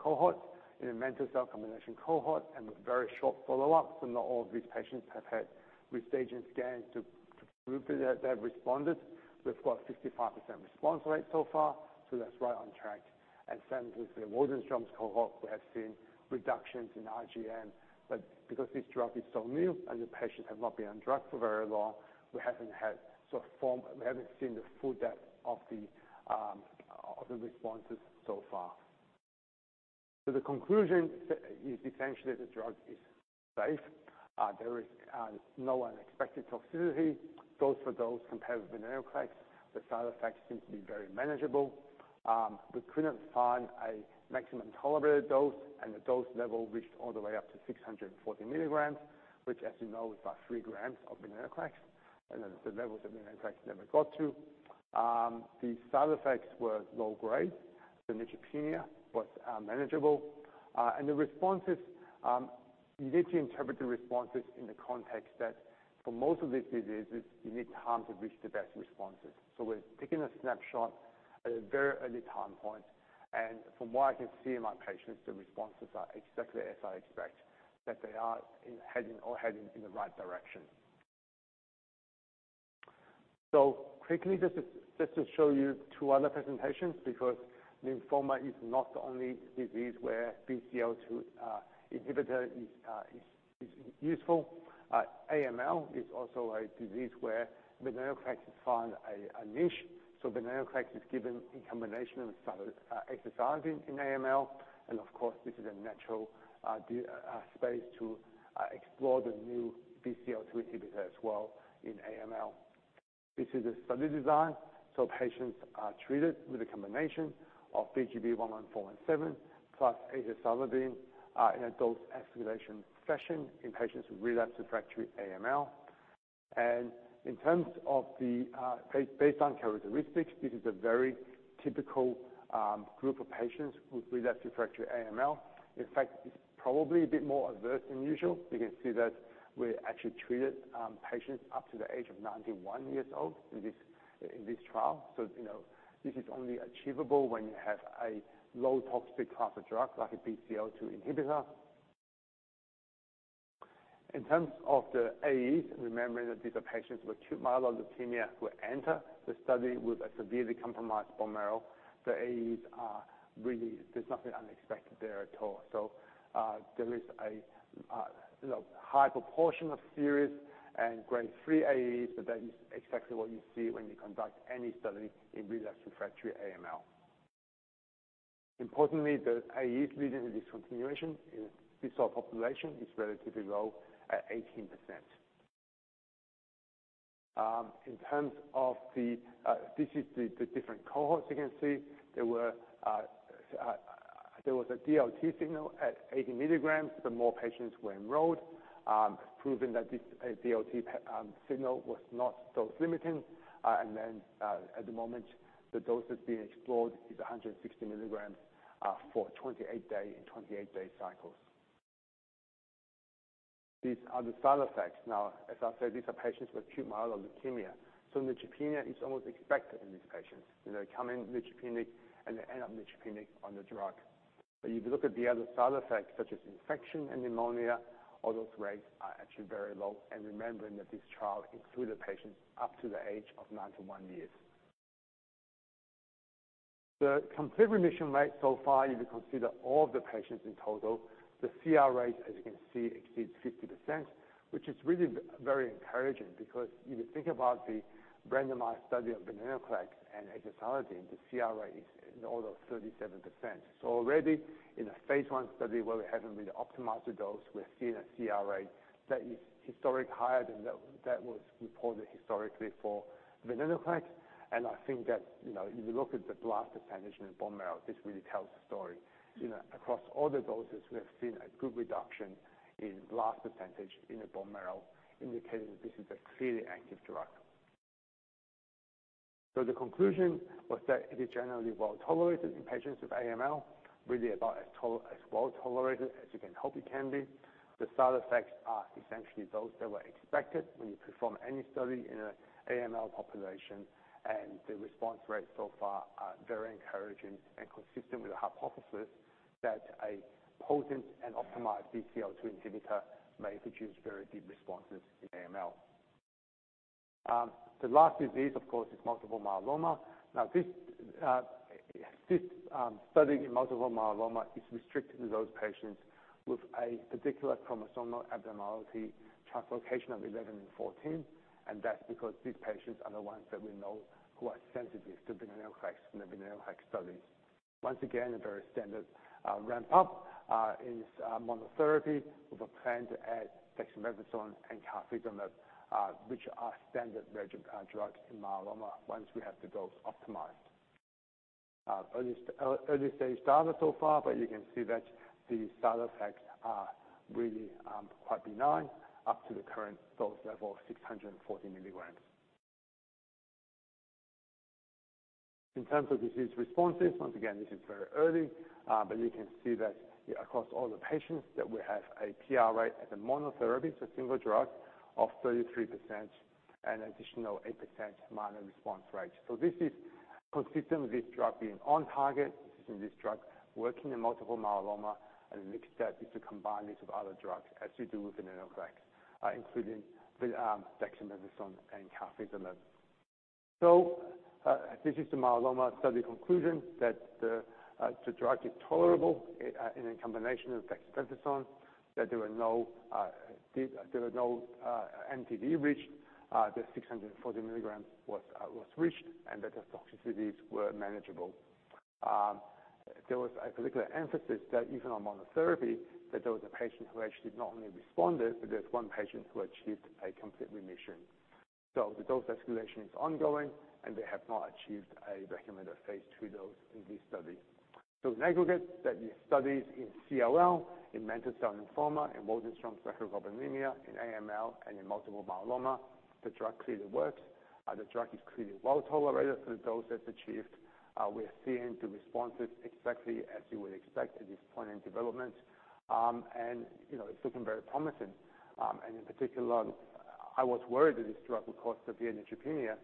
cohort, in a mantle cell combination cohort and with very short follow-ups, and not all of these patients have had restaging scans to prove that they have responded, we've got 65% response rate so far, so that's right on track. Same with the Waldenström's cohort, we have seen reductions in IgM. Because this drug is so new and the patients have not been on drug for very long, we haven't seen the full depth of the responses so far. The conclusion is essentially the drug is safe. There is no unexpected toxicity, dose for dose compared with venetoclax. The side effects seem to be very manageable. We couldn't find a maximum tolerated dose, and the dose level reached all the way up to 640 milligrams, which as you know, is about three grams of venetoclax, and that is the level that venetoclax never got to. The side effects were low grade. The neutropenia was manageable. You need to interpret the responses in the context that for most of these diseases, you need time to reach the best responses. We're taking a snapshot at a very early time point, and from what I can see in my patients, the responses are exactly as I expect, that they are all heading in the right direction. Quickly, just to show you two other presentations, because lymphoma is not the only disease where BCL-2 inhibitor is useful. AML is also a disease where venetoclax has found a niche. venetoclax is given in combination with azacitidine in AML, and of course, this is a natural space to explore the new BCL-2 inhibitor as well in AML. This is a study design, patients are treated with a combination of BGB-11417 plus azacitidine in a dose escalation session in patients with relapsed refractory AML. And based on characteristics, this is a very typical group of patients with relapsed refractory AML. In fact, it's probably a bit more adverse than usual. You can see that we actually treated patients up to the age of 91 years old in this trial. This is only achievable when you have a low toxic class of drugs like a BCL-2 inhibitor. In terms of the AEs, remembering that these are patients with acute myeloid leukemia who enter the study with a severely compromised bone marrow, the AEs are really, there's nothing unexpected there at all. There is a high proportion of serious and grade 3 AEs, but that is exactly what you see when you conduct any study in relapsed refractory AML. Importantly, the AEs leading to discontinuation in this whole population is relatively low at 18%. These are the different cohorts. You can see there was a DLT signal at 80 mg. The more patients were enrolled, proving that this DLT signal was not dose-limiting. At the moment, the dose that's being explored is 160 mg for 28 days in 28-day cycles. These are the side effects. Now, as I said, these are patients with acute myeloid leukemia, so neutropenia is almost expected in these patients. They come in neutropenic and they end up neutropenic on the drug. But if you look at the other side effects such as infection and pneumonia, all those rates are actually very low, and remembering that this trial included patients up to the age of 91 years. The complete remission rate so far, if you consider all the patients in total, the CR rate, as you can see, exceeds 50%, which is really very encouraging because if you think about the randomized study of venetoclax and ibrutinib, the CR rate is in the order of 37%. Already in a phase I study where we haven't really optimized the dose, we're seeing a CR rate that is historically higher than that was reported historically for venetoclax. And I think that if you look at the blast percentage in the bone marrow, this really tells the story. Across all the doses, we have seen a good reduction in blast percentage in the bone marrow, indicating that this is a clearly active drug. The conclusion was that it is generally well-tolerated in patients with AML, really about as well-tolerated as you can hope it can be. The side effects are essentially those that were expected when you perform any study in an AML population, and the response rates so far are very encouraging and consistent with the hypothesis that a potent and optimized BCL-2 inhibitor may produce very deep responses in AML. The last disease, of course, is multiple myeloma. This study in multiple myeloma is restricted to those patients with a particular chromosomal abnormality, translocation of 11 and 14, and that's because these patients are the ones that we know who are sensitive to venetoclax in the venetoclax studies. Once again, a very standard ramp up in monotherapy with a plan to add dexamethasone and carfilzomib which are standard regimen drugs in myeloma once we have the dose optimized. Early-stage data so far, but you can see that the side effects are really quite benign up to the current dose level of 640 milligrams. In terms of disease responses, once again, this is very early, but you can see that across all the patients that we have a CR rate as a monotherapy, so single drug, of 33% and additional 8% minor response rate. This is consistent with this drug being on target, this is this drug working in multiple myeloma, and the next step is to combine it with other drugs as we do with venetoclax including dexamethasone and carfilzomib. This is the myeloma study conclusion that the drug is tolerable in a combination of dexamethasone, that there were no MTD reached, the 640 milligrams was reached, and that the toxicities were manageable. There was a particular emphasis that even on monotherapy, that there was a patient who actually not only responded, but there's one patient who achieved a complete remission. The dose escalation is ongoing, and they have not achieved a recommended phase II dose in this study. In aggregate, that these studies in CLL, in mantle cell lymphoma, in Waldenström macroglobulinemia, in AML, and in multiple myeloma, the drug clearly works. The drug is clearly well-tolerated through the doses achieved. We are seeing the responses exactly as you would expect at this point in development. It's looking very promising. In particular, I was worried that this drug would cause severe neutropenia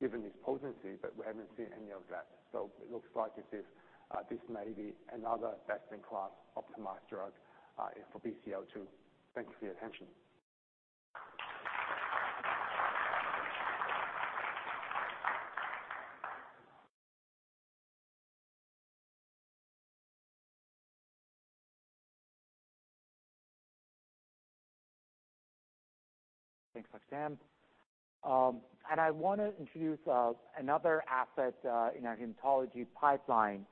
given its potency, but we haven't seen any of that. It looks like this may be another best-in-class optimized drug for BCL-2. Thanks for your attention. Thanks, Sam. I want to introduce another asset in our hematology pipeline,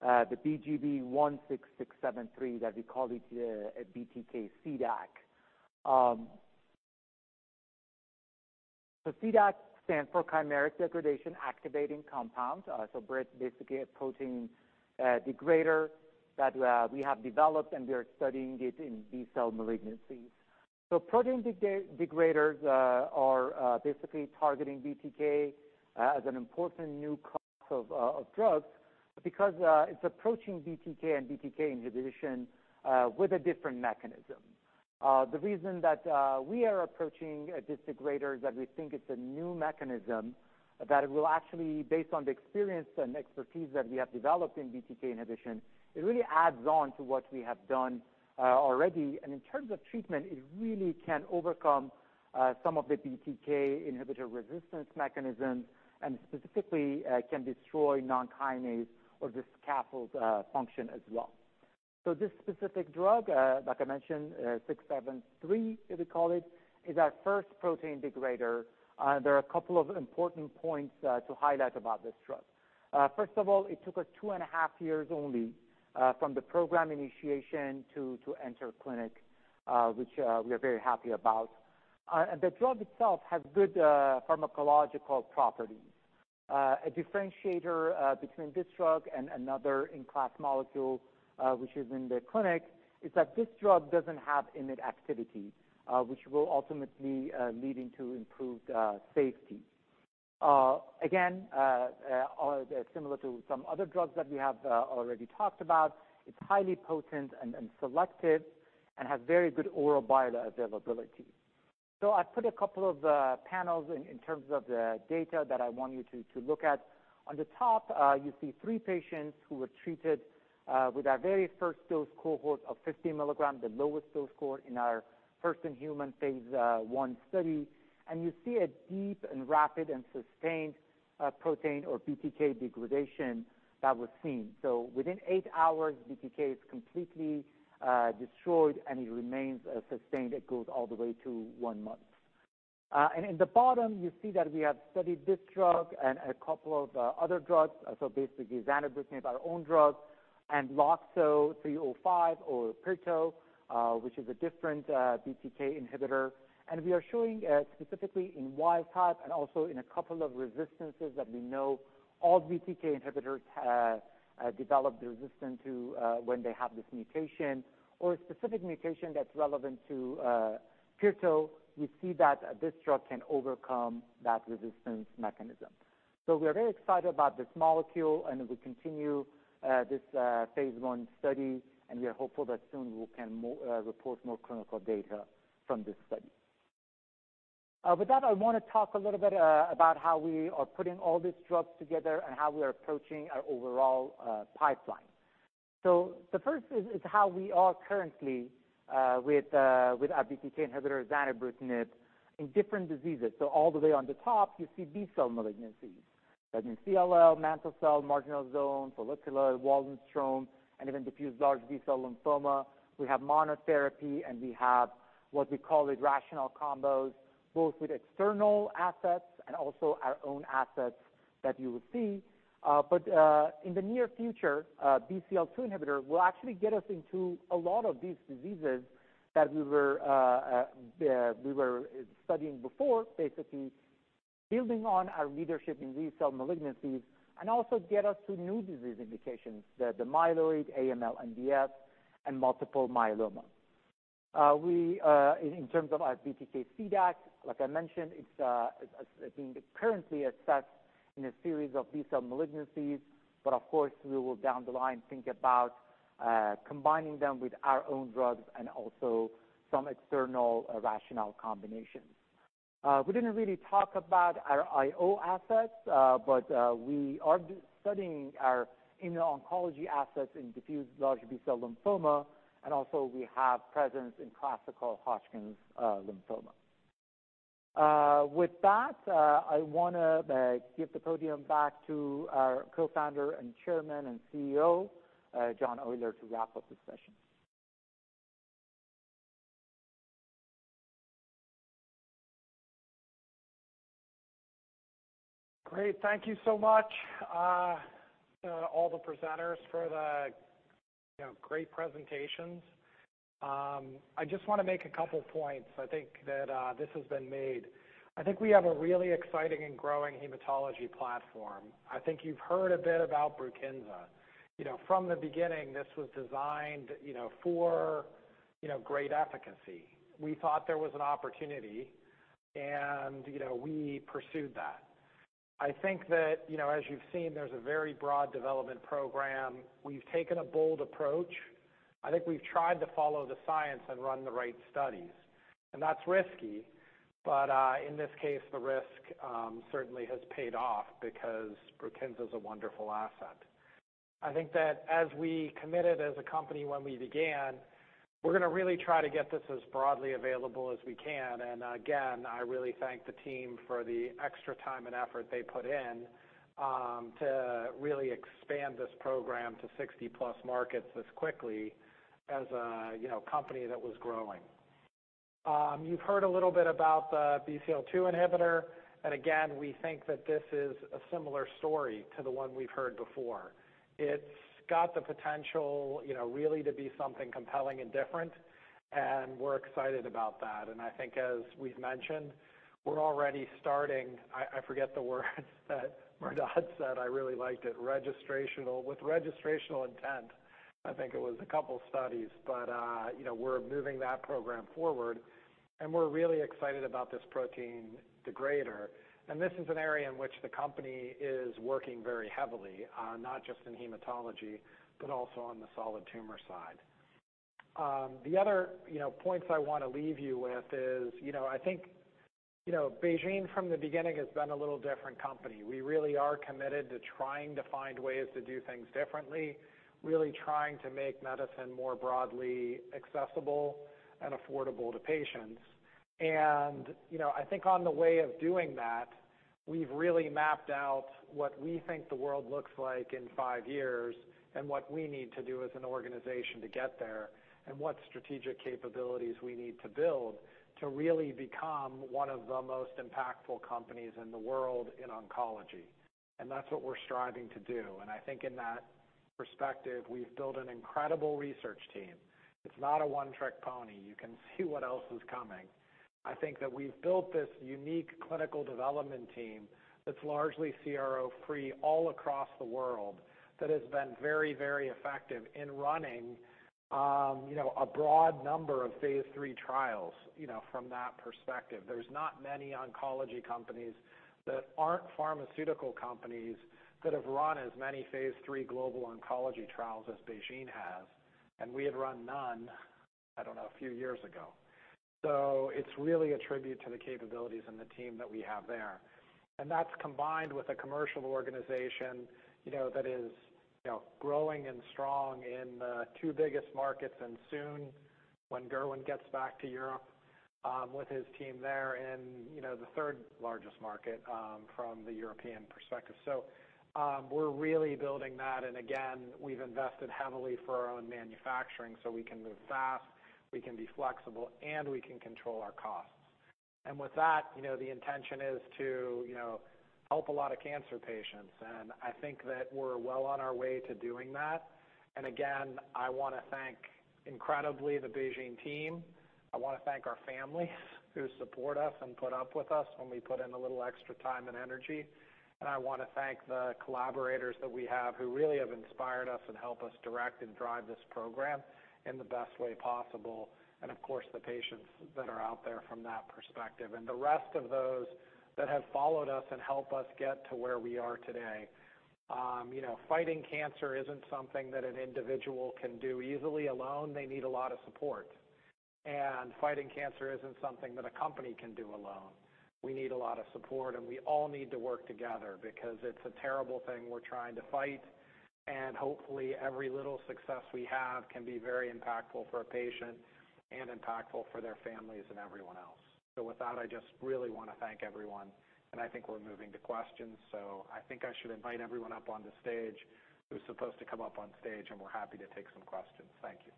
the BGB-16673 that we call it a BTK CDAC. CDAC stands for Chimeric Degradation Activating Compound, so basically a protein degrader that we have developed, and we are studying it in B-cell malignancies. Protein degraders are basically targeting BTK as an important new class of drugs because it's approaching BTK and BTK inhibition with a different mechanism. The reason that we are approaching this degrader is that we think it's a new mechanism that will actually, based on the experience and expertise that we have developed in BTK inhibition, it really adds on to what we have done already. In terms of treatment, it really can overcome some of the BTK inhibitor resistance mechanisms and specifically can destroy non-kinase or this scaffold function as well. This specific drug, like I mentioned, 673, we call it, is our first protein degrader. There are a couple of important points to highlight about this drug. First of all, it took us two and a half years only from the program initiation to enter clinic, which we are very happy about. The drug itself has good pharmacological properties. A differentiator between this drug and another in class molecule, which is in the clinic, is that this drug doesn't have IMiD activity which will ultimately lead into improved safety. Again, similar to some other drugs that we have already talked about, it's highly potent and selective and has very good oral bioavailability. I put a couple of panels in terms of the data that I want you to look at. On the top, you see three patients who were treated with our very first dose cohort of 50 milligrams, the lowest dose cohort in our first-in-human phase I study. You see a deep and rapid and sustained protein or BTK degradation that was seen. Within 8 hours, BTK is completely destroyed, and it remains sustained. It goes all the way to one month. In the bottom, you see that we have studied this drug and a couple of other drugs. Basically, zanubrutinib, our own drug, and LOXO-305, or pirto, which is a different BTK inhibitor. We are showing specifically in wild type and also in a couple of resistances that we know all BTK inhibitors have developed resistance to when they have this mutation, or a specific mutation that's relevant to pirto. We see that this drug can overcome that resistance mechanism. We are very excited about this molecule and we continue this phase I study, and we are hopeful that soon we can report more clinical data from this study. With that, I want to talk a little bit about how we are putting all these drugs together and how we are approaching our overall pipeline. The first is how we are currently with our BTK inhibitor zanubrutinib in different diseases. All the way on the top, you see B-cell malignancies, as in CLL, mantle cell, marginal zone, follicular, Waldenström's, and even diffuse large B-cell lymphoma. We have monotherapy and we have what we call rational combos, both with external assets and also our own assets that you will see. But in the near future, BCL-2 inhibitor will actually get us into a lot of these diseases that we were studying before, basically building on our leadership in B-cell malignancies and also get us to new disease indications, the myeloid, AML, MDS, and multiple myeloma. In terms of our BTK CDAC, like I mentioned, it's being currently assessed in a series of B-cell malignancies, but of course, we will down the line think about combining them with our own drugs and also some external rational combinations. We didn't really talk about our IO assets, but we are studying our immuno-oncology assets in diffuse large B-cell lymphoma, and also we have presence in classical Hodgkin lymphoma. With that, I want to give the podium back to our Co-Founder and Chairman and CEO, John Oyler, to wrap up the session. Great. Thank you so much, all the presenters, for the great presentations. I just want to make a couple points. I think that this has been made. I think we have a really exciting and growing hematology platform. I think you've heard a bit about BRUKINSA. From the beginning, this was designed for great efficacy. We thought there was an opportunity, and we pursued that. I think that as you've seen, there's a very broad development program. We've taken a bold approach. I think we've tried to follow the science and run the right studies, and that's risky, but in this case, the risk certainly has paid off because BRUKINSA is a wonderful asset. I think that as we committed as a company when we began, we're going to really try to get this as broadly available as we can. Again, I really thank the team for the extra time and effort they put in to really expand this program to 60-plus markets as quickly as a company that was growing. You've heard a little bit about the BCL-2 inhibitor, and again, we think that this is a similar story to the one we've heard before. It's got the potential really to be something compelling and different, and we're excited about that. I think as we've mentioned, we're already starting, I forget the words that Mehrdad said, I really liked it, registrational, with registrational intent, I think it was a couple studies. We're moving that program forward, and we're really excited about this protein degrader. This is an area in which the company is working very heavily, not just in hematology, but also on the solid tumor side. The other points I want to leave you with is I think BeiGene from the beginning has been a little different company. We really are committed to trying to find ways to do things differently, really trying to make medicine more broadly accessible and affordable to patients. I think on the way of doing that, we've really mapped out what we think the world looks like in five years and what we need to do as an organization to get there, and what strategic capabilities we need to build to really become one of the most impactful companies in the world in oncology. That's what we're striving to do. I think in that perspective, we've built an incredible research team. It's not a one-trick pony. You can see what else is coming. I think that we've built this unique clinical development team that's largely CRO-free all across the world that has been very, very effective in running a broad number of phase III trials from that perspective. There's not many oncology companies that aren't pharmaceutical companies that have run as many phase III global oncology trials as BeiGene has. We had run none, I don't know, a few years ago. It's really a tribute to the capabilities and the team that we have there. That's combined with a commercial organization that is growing and strong in the two biggest markets, and soon, when Gerwyn gets back to Europe with his team there, in the third-largest market from the European perspective. We're really building that, and again, we've invested heavily for our own manufacturing so we can move fast, we can be flexible, and we can control our costs. With that, the intention is to help a lot of cancer patients. I think that we're well on our way to doing that. Again, I want to thank, incredibly, the BeiGene team. I want to thank our families who support us and put up with us when we put in a little extra time and energy. I want to thank the collaborators that we have, who really have inspired us and help us direct and drive this program in the best way possible. Of course, the patients that are out there from that perspective, the rest of those that have followed us and helped us get to where we are today. Fighting cancer isn't something that an individual can do easily alone. They need a lot of support. Fighting cancer isn't something that a company can do alone. We need a lot of support, and we all need to work together because it's a terrible thing we're trying to fight. Hopefully, every little success we have can be very impactful for a patient and impactful for their families and everyone else. With that, I just really want to thank everyone, and I think we're moving to questions. I think I should invite everyone up on the stage who's supposed to come up on stage, and we're happy to take some questions. Thank you.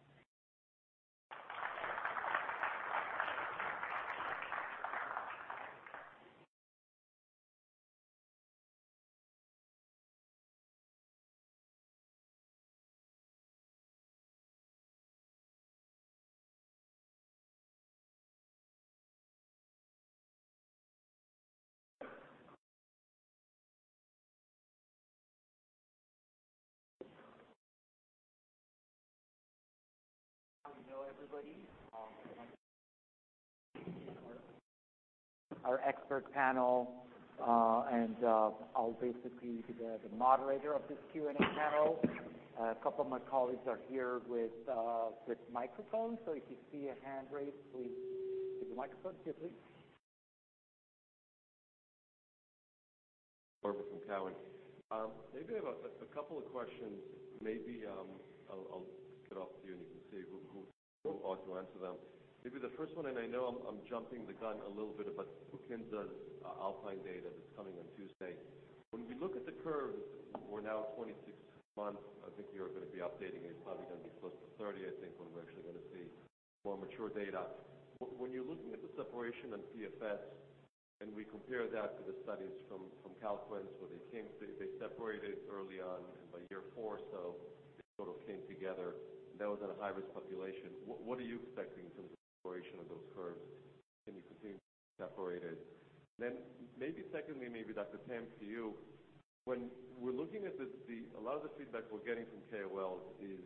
You know everybody. Our expert panel, and I'll basically be the moderator of this Q&A panel. A couple of my colleagues are here with microphones, so if you see a hand raised, please give the microphone. Here, please. Orville from Cowen. Maybe I have a couple of questions. Maybe I'll kick it off to you, and you can see who ought to answer them. Maybe the first one, and I know I'm jumping the gun a little bit, but BRUKINSA's ALPINE data that's coming on Tuesday. When we look at the curves, we're now at 26 months. I think you're going to be updating it. It's probably going to be close to 30, I think, when we're actually going to see more mature data. When you're looking at the separation in PFS, and we compare that to the studies from Calquence, where they separated early on and by year four or so, they sort of came together, and that was in a high-risk population. What are you expecting in terms of separation of those curves? Can you continue separated? Maybe secondly, maybe Dr. Tam to you. A lot of the feedback we're getting from KOLs is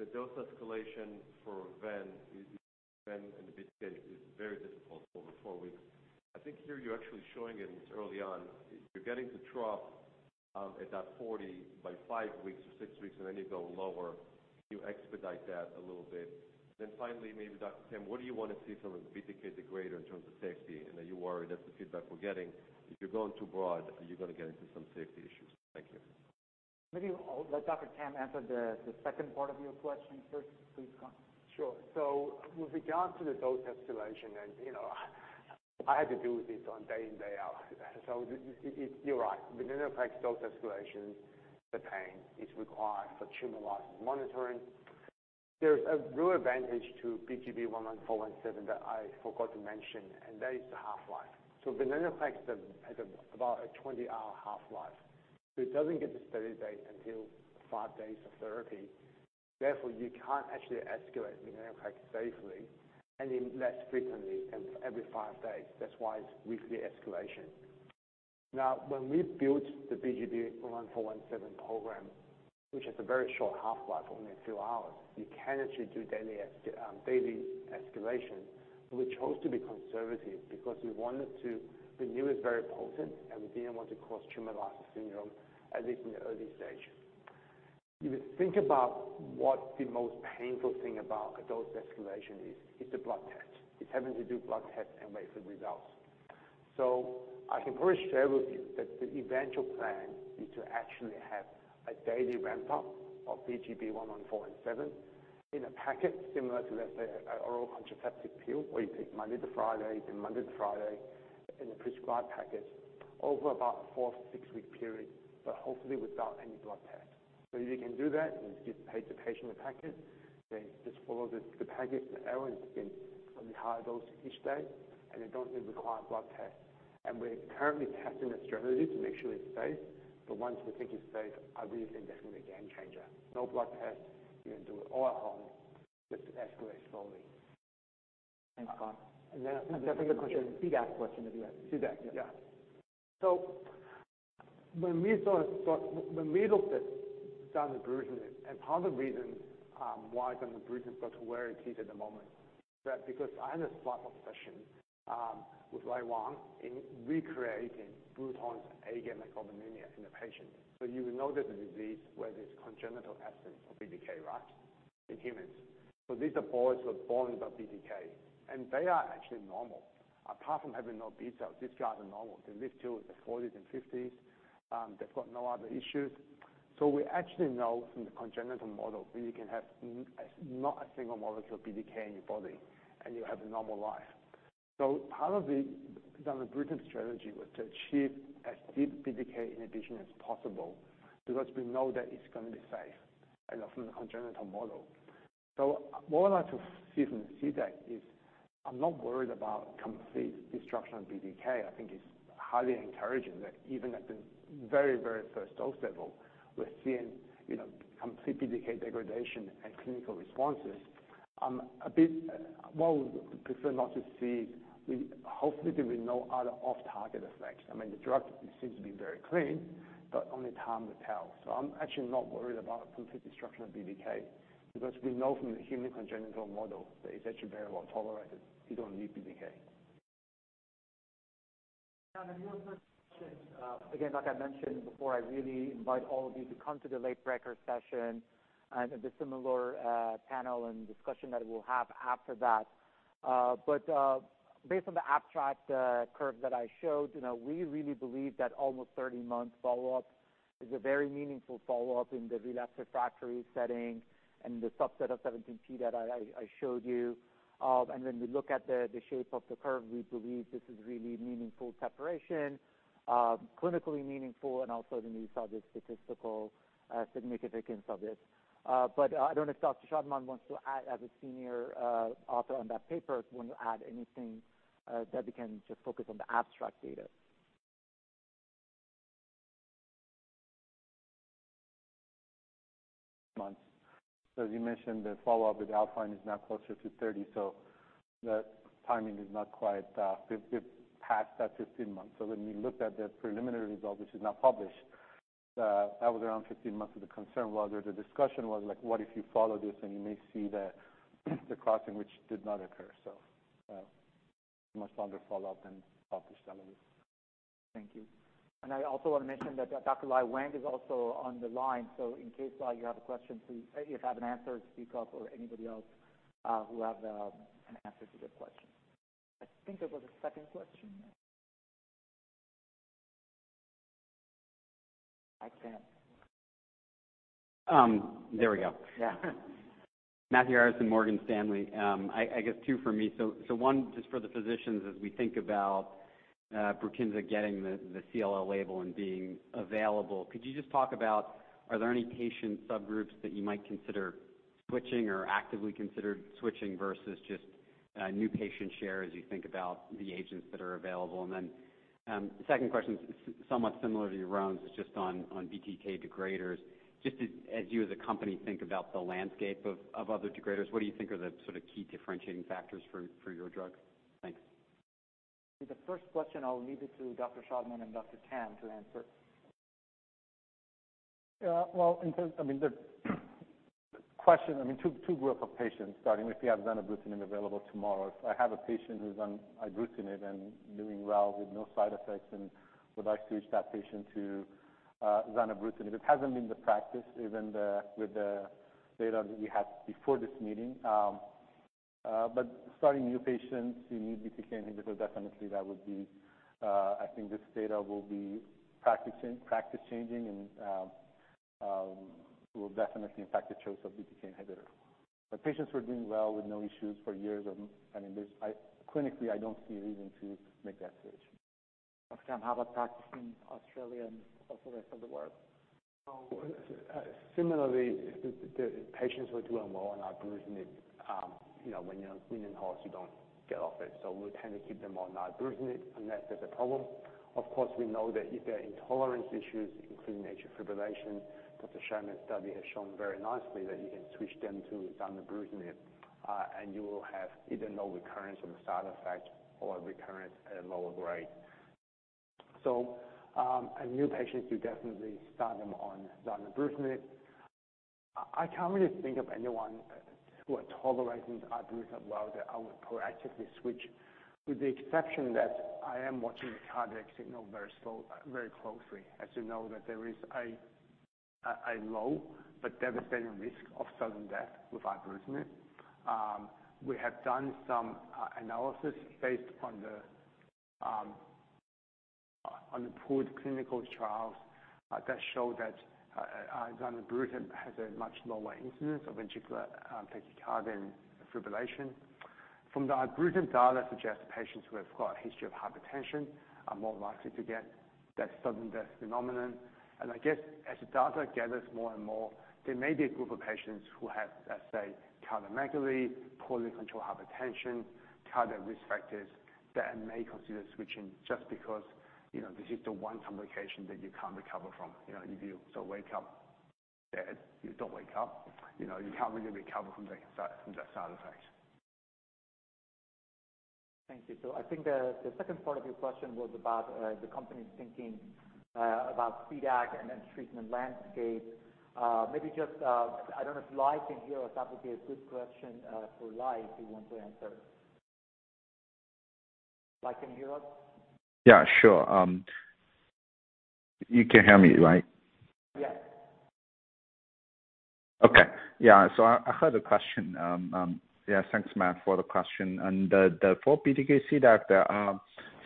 the dose escalation for ven and the BTK is very difficult over 4 weeks. I think here you're actually showing it early on. You're getting to trough at that 40 by 5 weeks or 6 weeks, and then you go lower. You expedite that a little bit. Finally, maybe Dr. Tam, what do you want to see from the BTK degrader in terms of safety? And are you worried that the feedback we're getting, if you're going too broad, are you going to get into some safety issues? Thank you. Maybe I'll let Dr. Tam answer the second part of your question first. Please, Con. Sure. With regards to the dose escalation, and I had to do this day in, day out. You're right. venetoclax dose escalation, the pain is required for tumor lysis monitoring. There's a real advantage to BGB-11407 that I forgot to mention, and that is the half-life. venetoclax has about a 20-hour half-life. It doesn't get to steady state until five days of therapy. Therefore, you can't actually escalate venetoclax safely any less frequently than every five days. That's why it's weekly escalation. Now, when we built the BGB-11407 program, which has a very short half-life, only a few hours, you can actually do daily escalation. We chose to be conservative because we knew it's very potent, and we didn't want to cause tumor lysis syndrome, at least in the early stage. If you think about what the most painful thing about dose escalation is, it's a blood test. It's having to do blood tests and wait for results. I can pretty share with you that the eventual plan is to actually have a daily ramp-up of BGB-11407 in a packet similar to, let's say, an oral contraceptive pill, where you take Monday to Friday, then Monday to Friday in a prescribed packet over about a 4 to 6 week period, but hopefully without any blood test. If you can do that, and you give the patient a packet, they just follow the packet every day and take an higher dose each day, and they don't need required blood tests. We're currently testing the strategy to make sure it's safe. Once we think it's safe, I really think that's going to be a game changer. No blood test. You can do it all at home, just escalate slowly. Thanks, Con. I think there's a question. There's a question. CDAC question that you have. CDAC, yeah. Yeah. When we looked at zanubrutinib, and part of the reason why zanubrutinib got to where it is at the moment because I had a slight obsession, with Lai Wang in recreating Bruton's agammaglobulinemia in the patient. You know that the disease where there's congenital absence of BTK, right? In humans. These are boys who are born without BTK, and they are actually normal. Apart from having no B cells, these guys are normal. They live till their 40s and 50s. They've got no other issues. We actually know from the congenital model where you can have not a single molecule of BTK in your body, and you have a normal life. Part of the zanubrutinib strategy was to achieve as deep BTK inhibition as possible because we know that it's going to be safe, from the congenital model. More or less what we see from the CDAC is I'm not worried about complete destruction of BTK. I think it's highly encouraging that even at the very first dose level, we're seeing complete BTK degradation and clinical responses. What we would prefer not to see is, hopefully, there'll be no other off-target effects. I mean, the drug seems to be very clean, but only time will tell. I'm actually not worried about complete destruction of BTK because we know from the human congenital model that it's actually very well-tolerated. You don't need BTK. Again, like I mentioned before, I really invite all of you to come to the late breaker session and the similar panel and discussion that we'll have after that. Based on the abstract curve that I showed, we really believe that almost 30 months follow-up is a very meaningful follow-up in the relapsed refractory setting and the subset of 17p that I showed you. When we look at the shape of the curve, we believe this is really meaningful separation, clinically meaningful, and also then you saw the statistical significance of it. I don't know if Dr. Shadman wants to add as a senior author on that paper, want to add anything that we can just focus on the abstract data. Months. As you mentioned, the follow-up with ALPINE is now closer to 30, so that timing is not quite past that 15 months. When we looked at the preliminary result, which is now published, that was around 15 months where the concern was or the discussion was like, what if you follow this and you may see the crossing, which did not occur. Much longer follow-up than published studies. Thank you. I also want to mention that Dr. Lai Wang is also on the line, so in case, Lai, you have a question, please, if you have an answer, speak up or anybody else who has an answer to the question. I think there was a second question. I can't There we go. Yeah. Matthew Harrison, Morgan Stanley. I guess two for me. One just for the physicians as we think about BRUKINSA getting the CLL label and being available, could you just talk about, are there any patient subgroups that you might consider switching or actively consider switching versus just new patient share as you think about the agents that are available? Then the second question is somewhat similar to Ron's, it's just on BTK degraders. Just as you as a company think about the landscape of other degraders, what do you think are the sort of key differentiating factors for your drug? Thanks. The first question, I'll leave it to Dr. Shadman and Dr. Tam to answer. Well, I mean the question, two group of patients starting with we have zanubrutinib available tomorrow. If I have a patient who's on ibrutinib and doing well with no side effects and would I switch that patient to zanubrutinib? It hasn't been the practice, even with the data that we had before this meeting. Starting new patients who need BTK inhibitor, definitely that would be I think this data will be practice changing and will definitely impact the choice of BTK inhibitor. Patients who are doing well with no issues for years, I mean, clinically, I don't see a reason to make that switch. Dr. Tam, how about practice in Australia and also the rest of the world? Similarly, the patients who are doing well on ibrutinib, when you're winning horse, you don't get off it. We tend to keep them on ibrutinib unless there's a problem. Of course, we know that if there are intolerance issues, including atrial fibrillation, Dr. Shadman's study has shown very nicely that you can switch them to zanubrutinib, and you will have either no recurrence of the side effect or recurrence at a lower grade. New patients, we definitely start them on zanubrutinib. I can't really think of anyone who are tolerating the ibrutinib well that I would proactively switch, with the exception that I am watching the cardiac signal very closely. As you know that there is a low but devastating risk of sudden death with ibrutinib. We have done some analysis based on the pooled clinical trials that show that zanubrutinib has a much lower incidence of ventricular tachycardia and fibrillation. From the ibrutinib data suggest patients who have got a history of hypertension are more likely to get that sudden death phenomenon. I guess as the data gathers more and more, there may be a group of patients who have, let's say, cardiomegaly, poorly controlled hypertension, cardiac risk factors that may consider switching just because this is the one complication that you can't recover from. If you wake up dead, you don't wake up. You can't really recover from that side effect. Thank you. I think the second part of your question was about the company's thinking about CDAC and then treatment landscape. I don't know if Lai can hear us. That would be a good question for Lai, if he want to answer. Lai, can you hear us? Sure. You can hear me, right? Yes. Okay. I heard the question. Thanks, Matt, for the question. For BTK, see that there are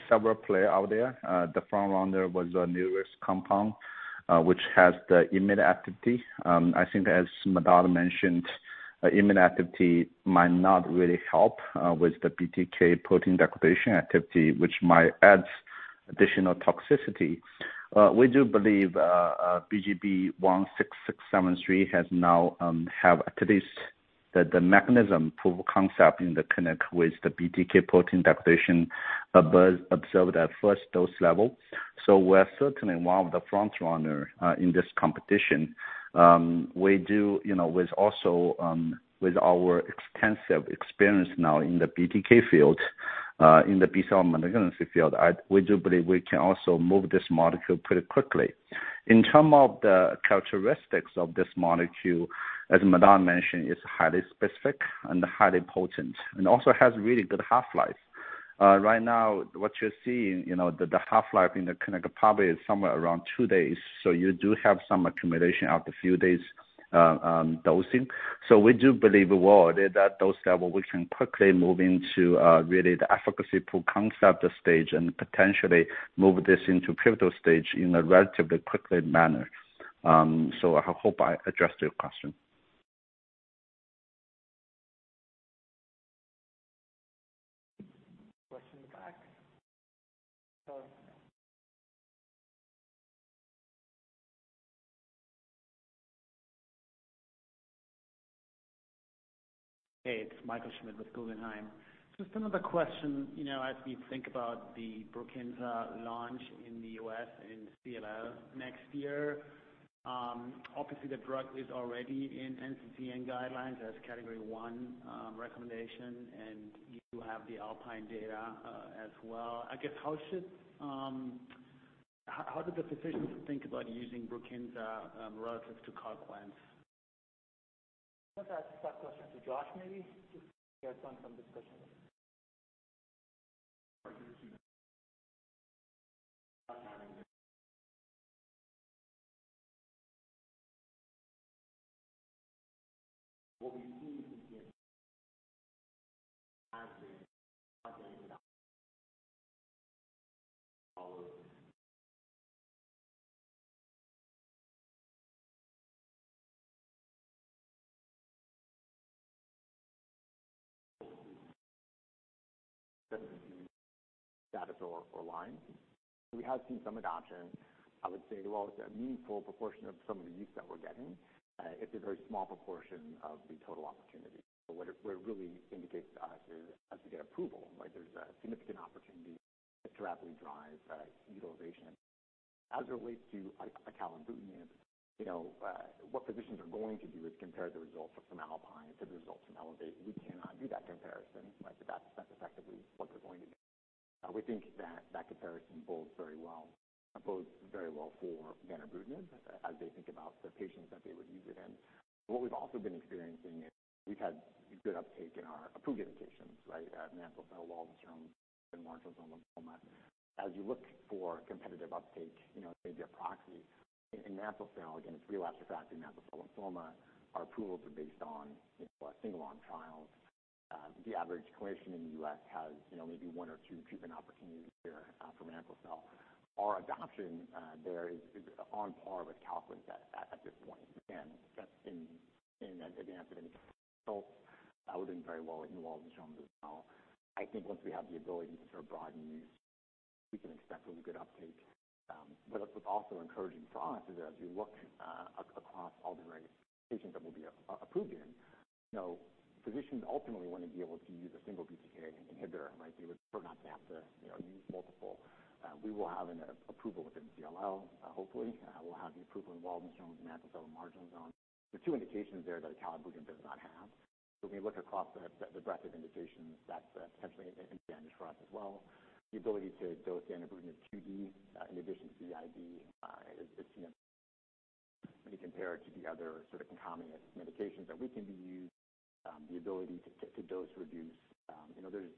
several player out there. The frontrunner was the newest compound, which has the immune activity. I think as Madan mentioned, immune activity might not really help with the BTK protein degradation activity, which might add additional toxicity. We do believe BGB-16673 has now have at least the mechanism proof of concept in the clinic with the BTK protein degradation observed at 1 dose level. We're certainly one of the frontrunner in this competition. With our extensive experience now in the BTK field, in the B-cell malignancy field, we do believe we can also move this molecule pretty quickly. In term of the characteristics of this molecule, as Madan mentioned, it's highly specific and highly potent, and also has really good half-life. Right now, what you're seeing, the half-life in the clinic probably is somewhere around two days, so you do have some accumulation after few days on dosing. We do believe at that dose level, we can quickly move into really the efficacy proof concept stage and potentially move this into pivotal stage in a relatively quickly manner. I hope I addressed your question. Questions at the back. Go ahead. Hey, it's Michael Schmidt with Guggenheim. Just another question. As we think about the BRUKINSA launch in the U.S. in CLL next year, obviously the drug is already in NCCN guidelines as Category 1 recommendation, and you have the ALPINE data as well. I guess how do the physicians think about using BRUKINSA relative to Calquence? Let's ask that question to Josh, maybe. Just based on some discussions. What we've seen since then has been Other questions online? We have seen some adoption. I would say to all, it's a meaningful proportion of some of the use that we're getting. It's a very small proportion of the total opportunity. What it really indicates to us is as we get approval, there's a significant opportunity to rapidly drive utilization. As it relates to acalabrutinib, what physicians are going to do is compare the results from ALPINE to the results from ELEVATE-TN. We cannot do that comparison, but that's effectively what they're going to do. We think that comparison bodes very well for venetoclax as they think about the patients that they would use it in. What we've also been experiencing is we've had good uptake in our approved indications, mantle cell, Waldenström's, and marginal zone lymphoma. As you look for competitive uptake as a proxy in mantle cell, again, it's really attractive in mantle cell lymphoma. Our approvals are based on single arm trials. The average clinician in the U.S. has maybe one or two treatment opportunities a year for mantle cell. Our adoption there is on par with Calquence at this point. Again, in advance of any results, we're doing very well in Waldenström's as well. I think once we have the ability to sort of broaden use, we can expect really good uptake. What's also encouraging for us is as you look across all the various patients that we'll be approved in, physicians ultimately want to be able to use a single BTK inhibitor. They would prefer not to have to use multiple. We will have an approval within CLL, hopefully. We'll have the approval in Waldenström's and mantle cell and marginal zone. There are two indications there that acalabrutinib does not have. When you look across the breadth of indications, that's potentially an advantage for us as well. The ability to dose acalabrutinib twice a day in addition to the once a day is significant when you compare it to the other sort of concomitant medications that we can be used, the ability to dose reduce.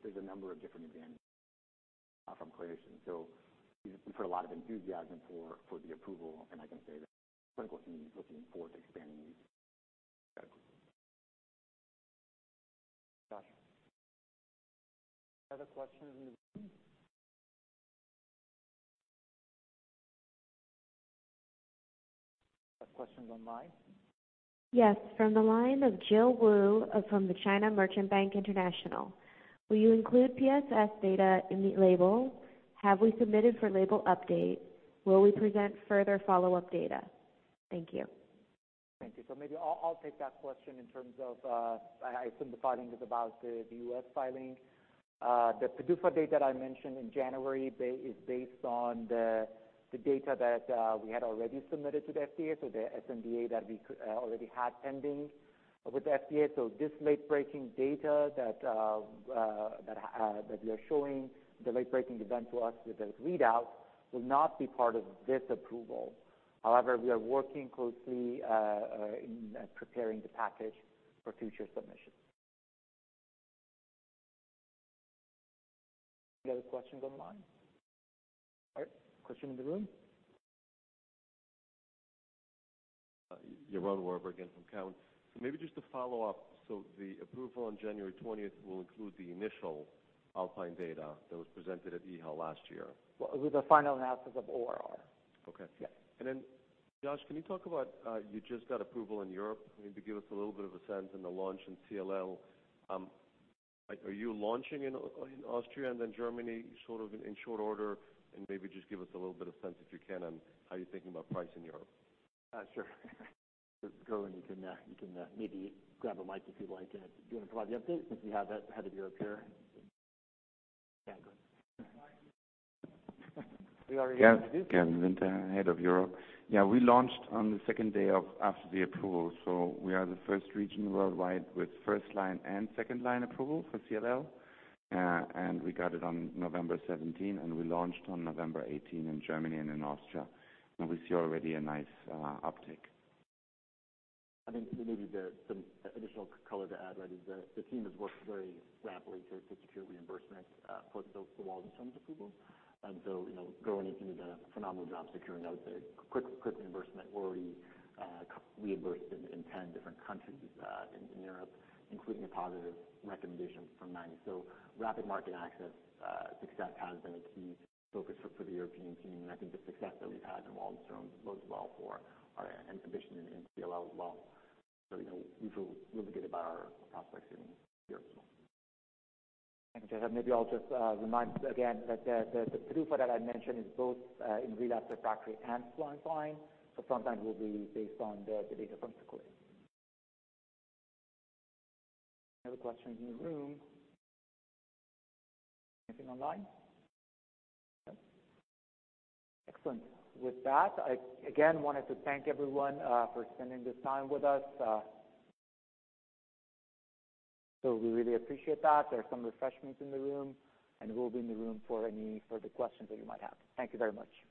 There's a number of different advantages from Clariation. We've heard a lot of enthusiasm for the approval, and I can say that clinical teams looking forward to expanding these categories. Josh. Other questions in the room? Are there questions online? Yes. From the line of Jill Wu from the China Merchants Bank International. Will you include PFS data in the label? Have we submitted for label update? Will we present further follow-up data? Thank you. Thank you. Maybe I'll take that question in terms of, I assume the filing is about the U.S. filing. The PDUFA date that I mentioned in January is based on the data that we had already submitted to the FDA, so the sNDA that we already had pending with the FDA, so this late-breaking data that we are showing, the late-breaking event to us with this readout will not be part of this approval. However, we are working closely in preparing the package for future submissions. Any other questions online? All right. Question in the room? Yaron Werber again from Cowen. Maybe just to follow up, the approval on January 20th will include the initial ALPINE data that was presented at EHA last year? With the final analysis of ORR. Okay. Yes. Josh, can you talk about, you just got approval in Europe. Maybe give us a little bit of a sense on the launch in CLL. Are you launching in Austria and then Germany sort of in short order? Maybe just give us a little bit of sense, if you can, on how you're thinking about price in Europe. Sure. Gowri, you can maybe grab a mic if you'd like. Do you want to provide the update since we have the head of Europe here? Yeah, go ahead. Gavin Winter, Head of Europe. We launched on the second day after the approval. We are the first region worldwide with first-line and second-line approval for CLL. We got it on November 17, we launched on November 18 in Germany and in Austria, we see already a nice uptick. I think maybe some additional color to add is the team has worked very rampantly to secure reimbursement for both the Waldenström's approval and Gowri and his team did a phenomenal job securing, I would say, quick reimbursement. We're already reimbursed in 10 different countries in Europe, including a positive recommendation from nine. Rapid market access success has been a key focus for the European team, I think the success that we've had in Waldenström's bodes well for our ambition in CLL as well. We feel really good about our prospects in Europe. Maybe I'll just remind again that the approval that I mentioned is both in relapsed/refractory and first line. Sometimes we'll be based on the data from the coding. Any other questions in the room? Anything online? No. Excellent. With that, I again wanted to thank everyone for spending this time with us. We really appreciate that. There's some refreshments in the room, we'll be in the room for any further questions that you might have. Thank you very much.